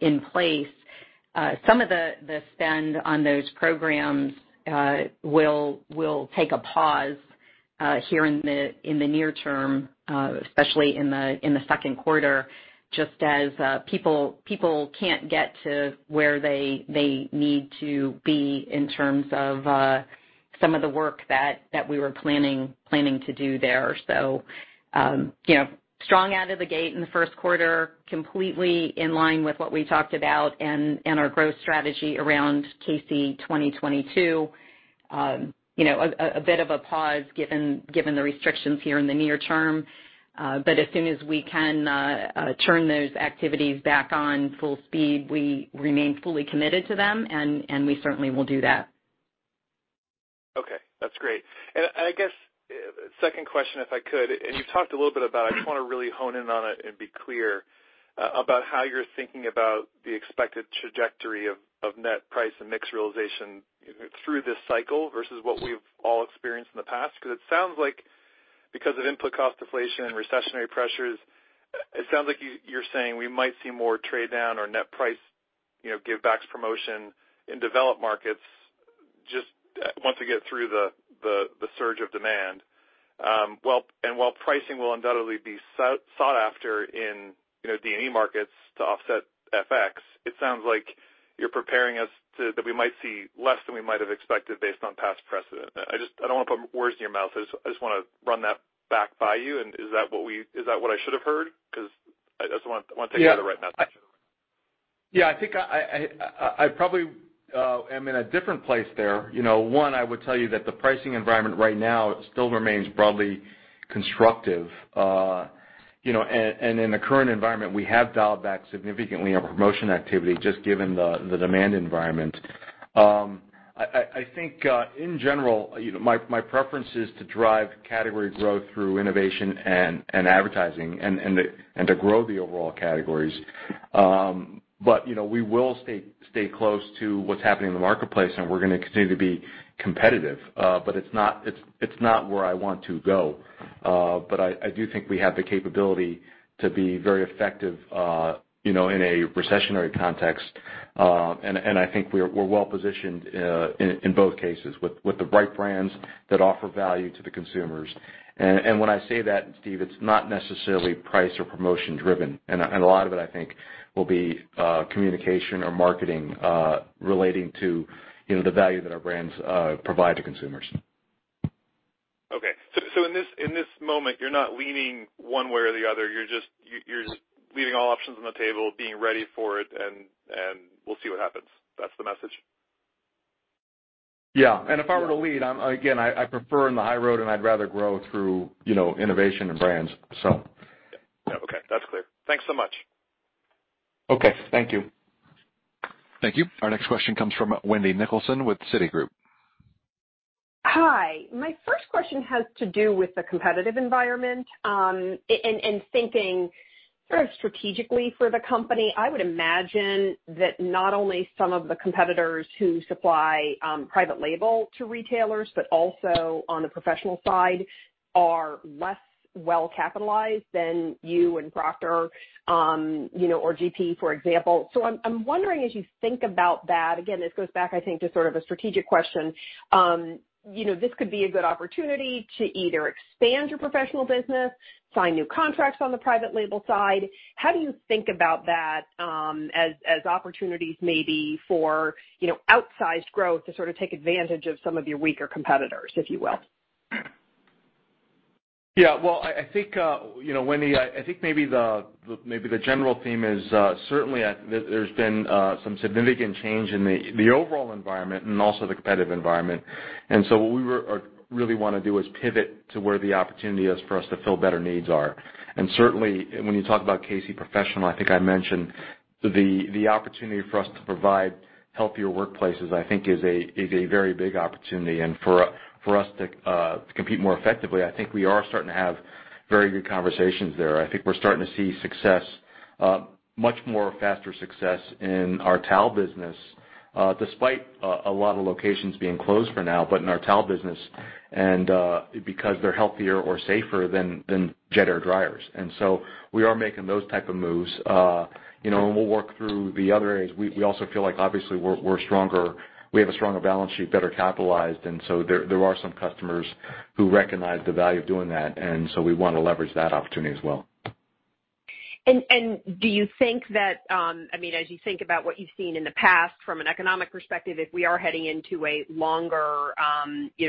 in place, some of the spend on those programs will take a pause here in the near term, especially in the second quarter, just as people can't get to where they need to be in terms of some of the work that we were planning to do there. Strong out of the gate in the first quarter, completely in line with what we talked about and our growth strategy around KC 2022. A bit of a pause given the restrictions here in the near term. As soon as we can turn those activities back on full speed, we remain fully committed to them, and we certainly will do that. Okay. That's great. I guess, second question, if I could, and you talked a little bit about it, I just want to really hone in on it and be clear about how you're thinking about the expected trajectory of net price and mix realization through this cycle versus what we've all experienced in the past. It sounds like because of input cost deflation and recessionary pressures, it sounds like you're saying we might see more trade down or net price give backs promotion in developed markets just once we get through the surge of demand. While pricing will undoubtedly be sought after in D&E markets to offset FX, it sounds like you're preparing us that we might see less than we might have expected based on past precedent. I don't want to put words in your mouth. I just want to run that back by you. Is that what I should have heard, because I want to take out the right message. Yeah, I think I probably am in a different place there. One, I would tell you that the pricing environment right now still remains broadly constructive. In the current environment, we have dialed back significantly on promotion activity just given the demand environment. I think, in general, my preference is to drive category growth through innovation and advertising and to grow the overall categories. We will stay close to what's happening in the marketplace, and we're going to continue to be competitive. It's not where I want to go. I do think we have the capability to be very effective in a recessionary context. I think we're well-positioned in both cases with the right brands that offer value to the consumers. When I say that, Steve, it's not necessarily price or promotion driven. A lot of it, I think, will be communication or marketing relating to the value that our brands provide to consumers. Okay. In this moment, you're not leaning one way or the other. You're just leaving all options on the table, being ready for it, and we'll see what happens. That's the message? Yeah. Yeah. If I were to lead, again, I prefer in the high road, and I'd rather grow through innovation and brands. Okay, that's clear. Thanks so much. Okay, thank you. Thank you. Our next question comes from Wendy Nicholson with Citigroup. Hi. My first question has to do with the competitive environment, and thinking sort of strategically for the company. I would imagine that not only some of the competitors who supply private label to retailers, but also on the professional side, are less well-capitalized than you and Procter or GP, for example. I'm wondering, as you think about that, again, this goes back, I think, to sort of a strategic question. This could be a good opportunity to either expand your professional business, sign new contracts on the private label side. How do you think about that as opportunities maybe for outsized growth to sort of take advantage of some of your weaker competitors, if you will? Yeah. Well, Wendy, I think maybe the general theme is certainly there's been some significant change in the overall environment and also the competitive environment. What we really want to do is pivot to where the opportunity is for us to fill better needs are. Certainly, when you talk about Kimberly-Clark Professional, I think I mentioned the opportunity for us to provide healthier workplaces, I think is a very big opportunity, and for us to compete more effectively. I think we are starting to have very good conversations there. I think we're starting to see much more faster success in our towel business, despite a lot of locations being closed for now, but in our towel business, and because they're healthier or safer than jet air dryers. We are making those type of moves. We'll work through the other areas. We also feel like, obviously, we have a stronger balance sheet, better capitalized, and so there are some customers who recognize the value of doing that, and so we want to leverage that opportunity as well. Do you think that, as you think about what you've seen in the past from an economic perspective, if we are heading into a longer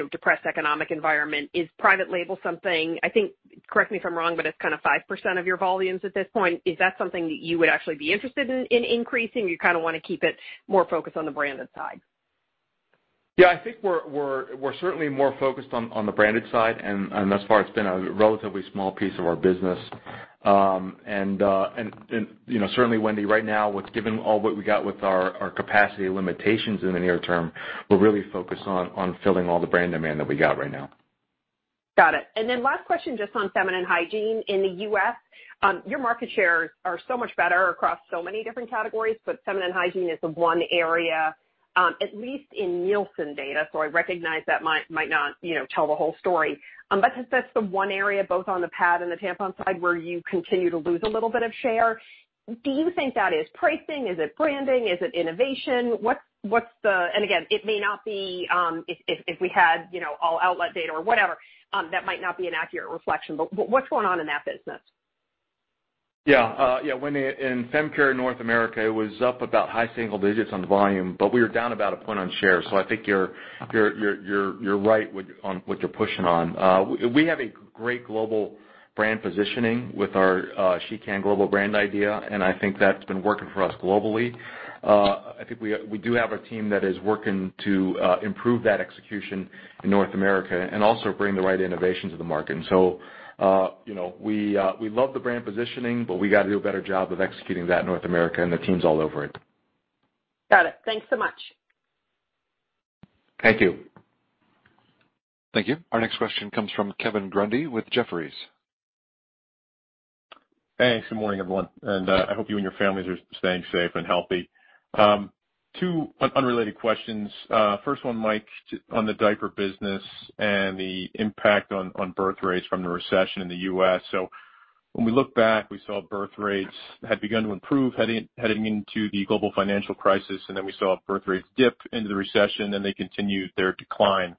depressed economic environment, is private label something, I think, correct me if I'm wrong, but it's kind of 5% of your volumes at this point? Is that something that you would actually be interested in increasing, or you kind of want to keep it more focused on the branded side? Yeah, I think we're certainly more focused on the branded side. Thus far, it's been a relatively small piece of our business. Certainly, Wendy, right now, given all what we got with our capacity limitations in the near term, we're really focused on filling all the brand demand that we got right now. Got it. Then last question, just on feminine hygiene in the U.S. Your market shares are so much better across so many different categories, but feminine hygiene is the one area, at least in Nielsen data, so I recognize that might not tell the whole story. That's the one area, both on the pad and the tampon side, where you continue to lose a little bit of share. Do you think that is pricing? Is it branding? Is it innovation? Again, if we had all outlet data or whatever, that might not be an accurate reflection, but what's going on in that business? Yeah. Wendy, in fem care, North America was up about high single digits on volume, but we were down about one point on share. I think you're right on what you're pushing on. We have a great global brand positioning with our She Can global brand idea, and I think that's been working for us globally. I think we do have a team that is working to improve that execution in North America and also bring the right innovation to the market. We love the brand positioning, but we got to do a better job of executing that in North America, and the team's all over it. Got it. Thanks so much. Thank you. Thank you. Our next question comes from Kevin Grundy with Jefferies. Hey, good morning, everyone, and I hope you and your families are staying safe and healthy. Two unrelated questions. First one, Mike, on the diaper business and the impact on birth rates from the recession in the U.S. When we look back, we saw birth rates had begun to improve heading into the global financial crisis, and then we saw birth rates dip into the recession, then they continued their decline.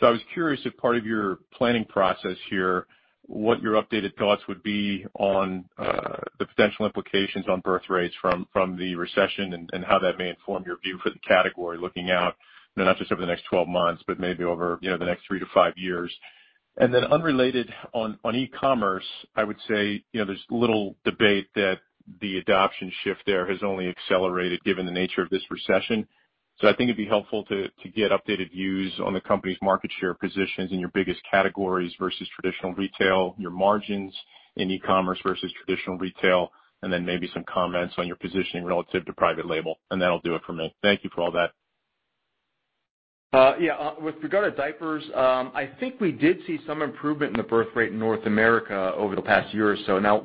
I was curious if part of your planning process here, what your updated thoughts would be on the potential implications on birth rates from the recession and how that may inform your view for the category looking out, not just over the next 12 months, but maybe over the next three to five years. Unrelated, on e-commerce, I would say, there's little debate that the adoption shift there has only accelerated given the nature of this recession. I think it'd be helpful to get updated views on the company's market share positions in your biggest categories versus traditional retail, your margins in e-commerce versus traditional retail, and then maybe some comments on your positioning relative to private label. That'll do it for me. Thank you for all that. Yeah. With regard to diapers, I think we did see some improvement in the birth rate in North America over the past year or so. Now,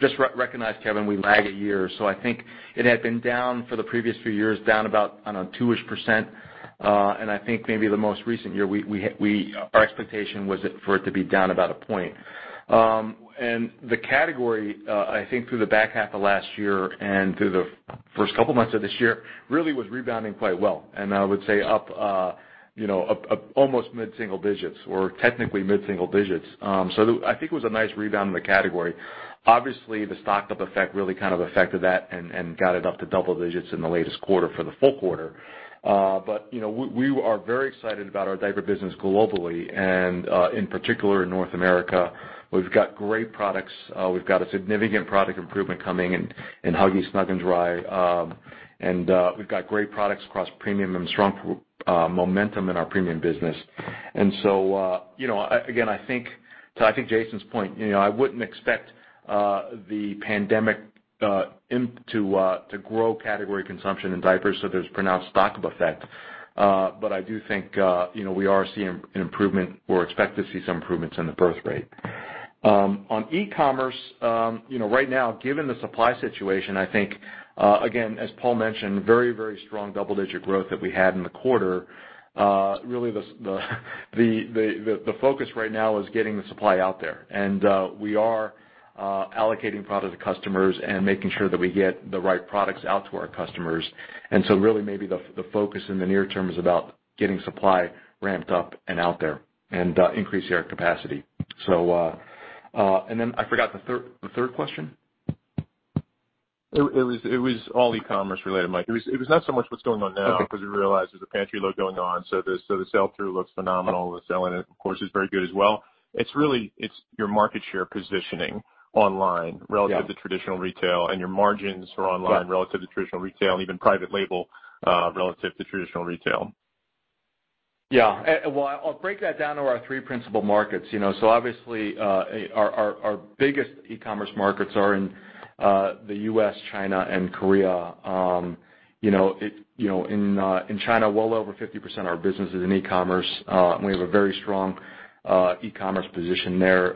just recognize, Kevin, we lag a year, so I think it had been down for the previous few years, down about, I don't know, 2%-ish. I think maybe the most recent year, our expectation was for it to be down about a point. The category, I think through the back half of last year and through the first couple months of this year really was rebounding quite well. I would say up almost mid-single digits or technically mid-single digits. I think it was a nice rebound in the category. Obviously, the stocked up effect really kind of affected that and got it up to double digits in the latest quarter for the full quarter. We are very excited about our diaper business globally and, in particular, in North America. We've got great products. We've got a significant product improvement coming in Huggies Snug & Dry. We've got great products across premium and strong momentum in our premium business. Again, I think to Jason's point, I wouldn't expect the pandemic to grow category consumption in diapers, so there's a pronounced stock-up effect. I do think we are seeing an improvement or expect to see some improvements in the birth rate. On e-commerce, right now, given the supply situation, I think again, as Paul mentioned, very strong double-digit growth that we had in the quarter. Really, the focus right now is getting the supply out there. We are allocating product to customers and making sure that we get the right products out to our customers. Really maybe the focus in the near term is about getting supply ramped up and out there and increasing our capacity. I forgot the third question. It was all e-commerce related, Mike. It was not so much what's going on now. Okay. Because we realize there's a pantry load going on. The sell-through looks phenomenal. The selling, of course, is very good as well. It's your market share positioning online. Yeah. Relative to traditional retail and your margins for online. Yeah. Relative to traditional retail and even private label relative to traditional retail. Yeah. Well, I'll break that down to our three principal markets. Obviously, our biggest e-commerce markets are in the U.S., China, and Korea. In China, well over 50% of our business is in e-commerce, and we have a very strong e-commerce position there.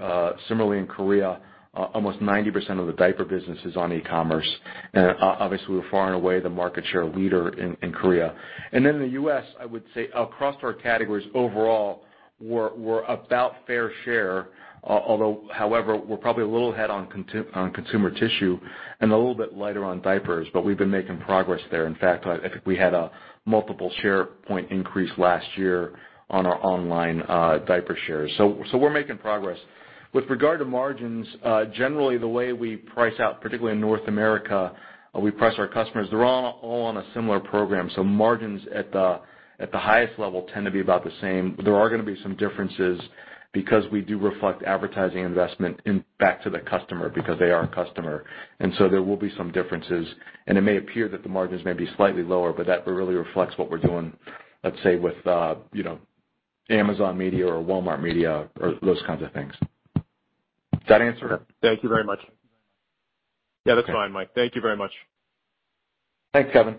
Similarly, in Korea, almost 90% of the diaper business is on e-commerce. Obviously, we're far and away the market share leader in Korea. In the U.S., I would say across our categories overall, we're about fair share, although, however, we're probably a little ahead on consumer tissue and a little bit lighter on diapers, but we've been making progress there. In fact, I think we had a multiple share point increase last year on our online diaper shares. We're making progress. With regard to margins, generally the way we price out, particularly in North America, we price our customers. They're all on a similar program. Margins at the highest level tend to be about the same. There are going to be some differences because we do reflect advertising investment back to the customer because they are a customer, and so there will be some differences, and it may appear that the margins may be slightly lower, but that really reflects what we're doing, let's say, with Amazon Media or Walmart Media or those kinds of things. Does that answer? Thank you very much. Yeah, that's fine, Mike. Thank you very much. Thanks, Kevin.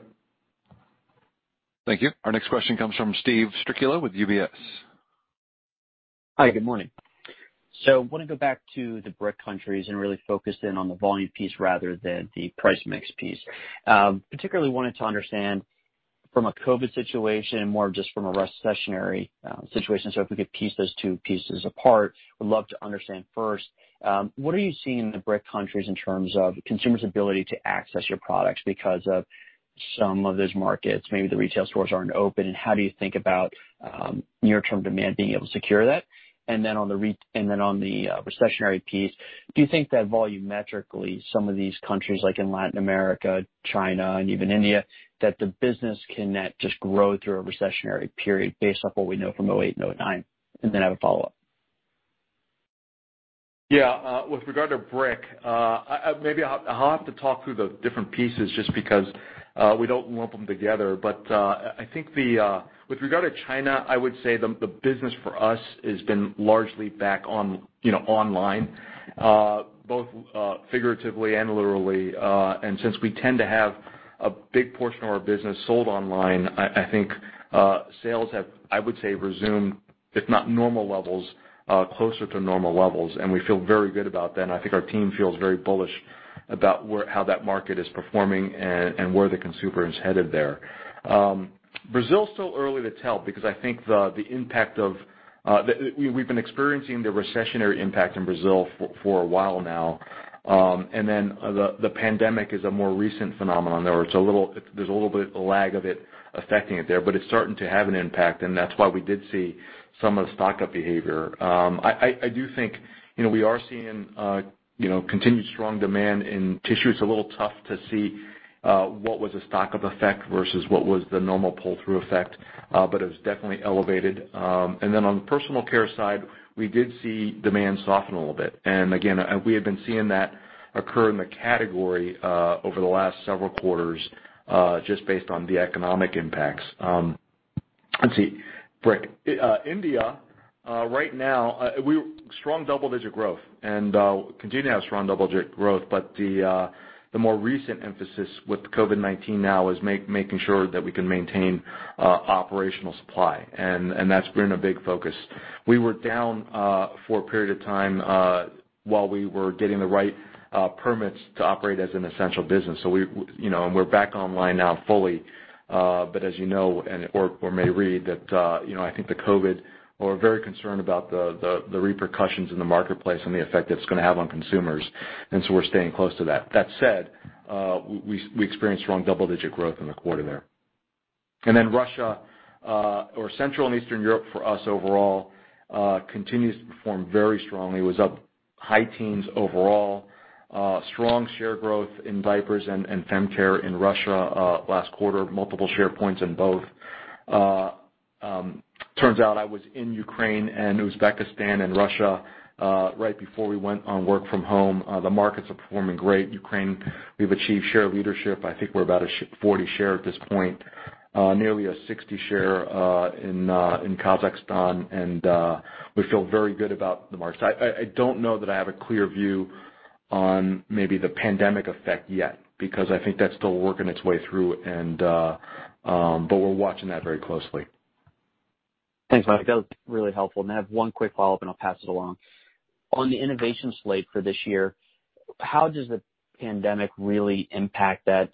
Thank you. Our next question comes from Steve Strycula with UBS. Hi, good morning. I want to go back to the BRIC countries and really focus in on the volume piece rather than the price mix piece. Particularly wanted to understand from a COVID situation, more just from a recessionary situation, so if we could piece those two pieces apart, would love to understand first, what are you seeing in the BRIC countries in terms of consumers' ability to access your products because of some of those markets, maybe the retail stores aren't open, and how do you think about near-term demand being able to secure that? Then on the recessionary piece, do you think that volumetrically some of these countries like in Latin America, China, and even India, that the business cannot just grow through a recessionary period based off what we know from 2008 and 2009? Then I have a follow-up. Yeah. With regard to BRIC, maybe I'll have to talk through the different pieces just because we don't lump them together. I think with regard to China, I would say the business for us has been largely back online, both figuratively and literally. Since we tend to have a big portion of our business sold online, I think sales have, I would say, resumed, if not normal levels, closer to normal levels, and we feel very good about that, and I think our team feels very bullish about how that market is performing and where the consumer is headed there. Brazil, still early to tell because I think we've been experiencing the recessionary impact in Brazil for a while now. The pandemic is a more recent phenomenon there. There's a little bit of lag of it affecting it there, but it's starting to have an impact, and that's why we did see some of the stock-up behavior. I do think we are seeing continued strong demand in tissue. It's a little tough to see what was a stock-up effect versus what was the normal pull-through effect, but it was definitely elevated. On the personal care side, we did see demand soften a little bit. Again, we have been seeing that occur in the category over the last several quarters, just based on the economic impacts. Let's see. BRIC. India, right now, strong double-digit growth, and we continue to have strong double-digit growth, but the more recent emphasis with COVID-19 now is making sure that we can maintain operational supply, and that's been a big focus. We were down for a period of time while we were getting the right permits to operate as an essential business. We are back online now fully, as you know or may read that I think we are very concerned about the repercussions in the marketplace and the effect it's going to have on consumers, we are staying close to that. That said, we experienced strong double-digit growth in the quarter there. Russia or Central and Eastern Europe for us overall continues to perform very strongly. It was up high teens overall. Strong share growth in diapers and fem care in Russia last quarter, multiple share points in both. Turns out I was in Ukraine and Uzbekistan and Russia, right before we went on work from home. The markets are performing great. Ukraine, we've achieved share leadership. I think we're about a 40 share at this point. Nearly a 60 share in Kazakhstan, and we feel very good about the market. I don't know that I have a clear view on maybe the pandemic effect yet, because I think that's still working its way through. We're watching that very closely. Thanks, Mike. That was really helpful. I have one quick follow-up, and I'll pass it along. On the innovation slate for this year, how does the pandemic really impact that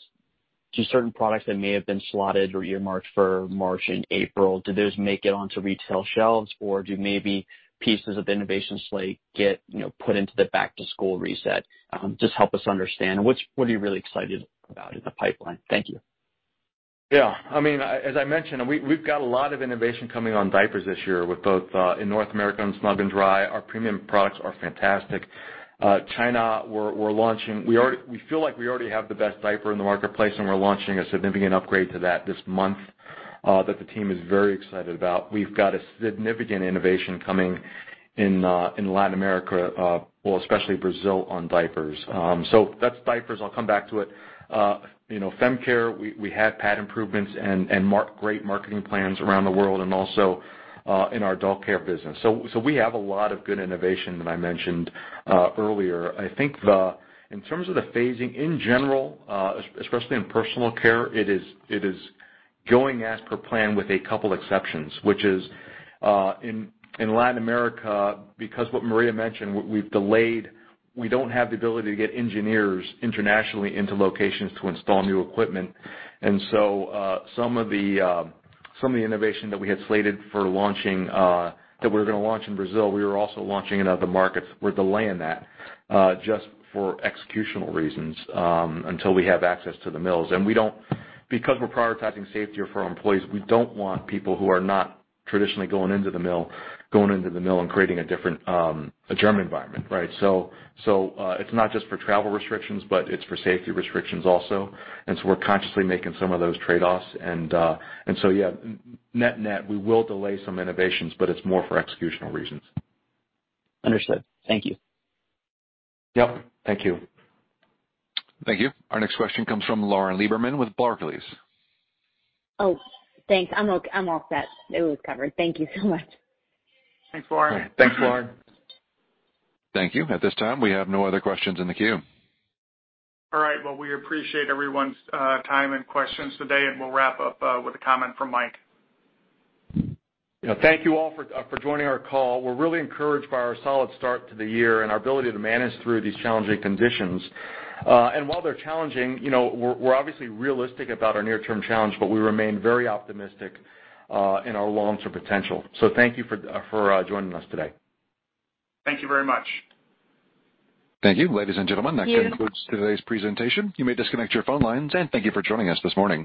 to certain products that may have been slotted or earmarked for March and April? Do those make it onto retail shelves, or do maybe pieces of the innovation slate get put into the back-to-school reset? Just help us understand. What are you really excited about in the pipeline? Thank you. Yeah. As I mentioned, we've got a lot of innovation coming on diapers this year with both, in North America, it's Snug & Dry. Our premium products are fantastic. China, we feel like we already have the best diaper in the marketplace, and we're launching a significant upgrade to that this month, that the team is very excited about. We've got a significant innovation coming in Latin America, well, especially Brazil, on diapers. That's diapers. I'll come back to it. Fem care, we have pad improvements and great marketing plans around the world and also in our adult care business. We have a lot of good innovation that I mentioned earlier. I think in terms of the phasing in general, especially in personal care, it is going as per plan with a couple exceptions, which is, in Latin America, because what Maria mentioned, we don't have the ability to get engineers internationally into locations to install new equipment. Some of the innovation that we had slated that we were going to launch in Brazil, we were also launching in other markets. We're delaying that, just for executional reasons, until we have access to the mills. We're prioritizing safety for our employees, we don't want people who are not traditionally going into the mill, going into the mill and creating a germ environment, right? It's not just for travel restrictions, but it's for safety restrictions also. We're consciously making some of those trade-offs and, net-net, we will delay some innovations, but it's more for executional reasons. Understood. Thank you. Yep. Thank you. Thank you. Our next question comes from Lauren Lieberman with Barclays. Oh, thanks. I'm off that. It was covered. Thank you so much. Thanks, Lauren. Thanks, Lauren. Thank you. At this time, we have no other questions in the queue. All right. Well, we appreciate everyone's time and questions today, and we'll wrap up with a comment from Mike. Thank you all for joining our call. We're really encouraged by our solid start to the year and our ability to manage through these challenging conditions. While they're challenging, we're obviously realistic about our near-term challenge, but we remain very optimistic in our long-term potential. Thank you for joining us today. Thank you very much. Thank you. Ladies and gentlemen. Thank you. That concludes today's presentation. You may disconnect your phone lines, and thank you for joining us this morning.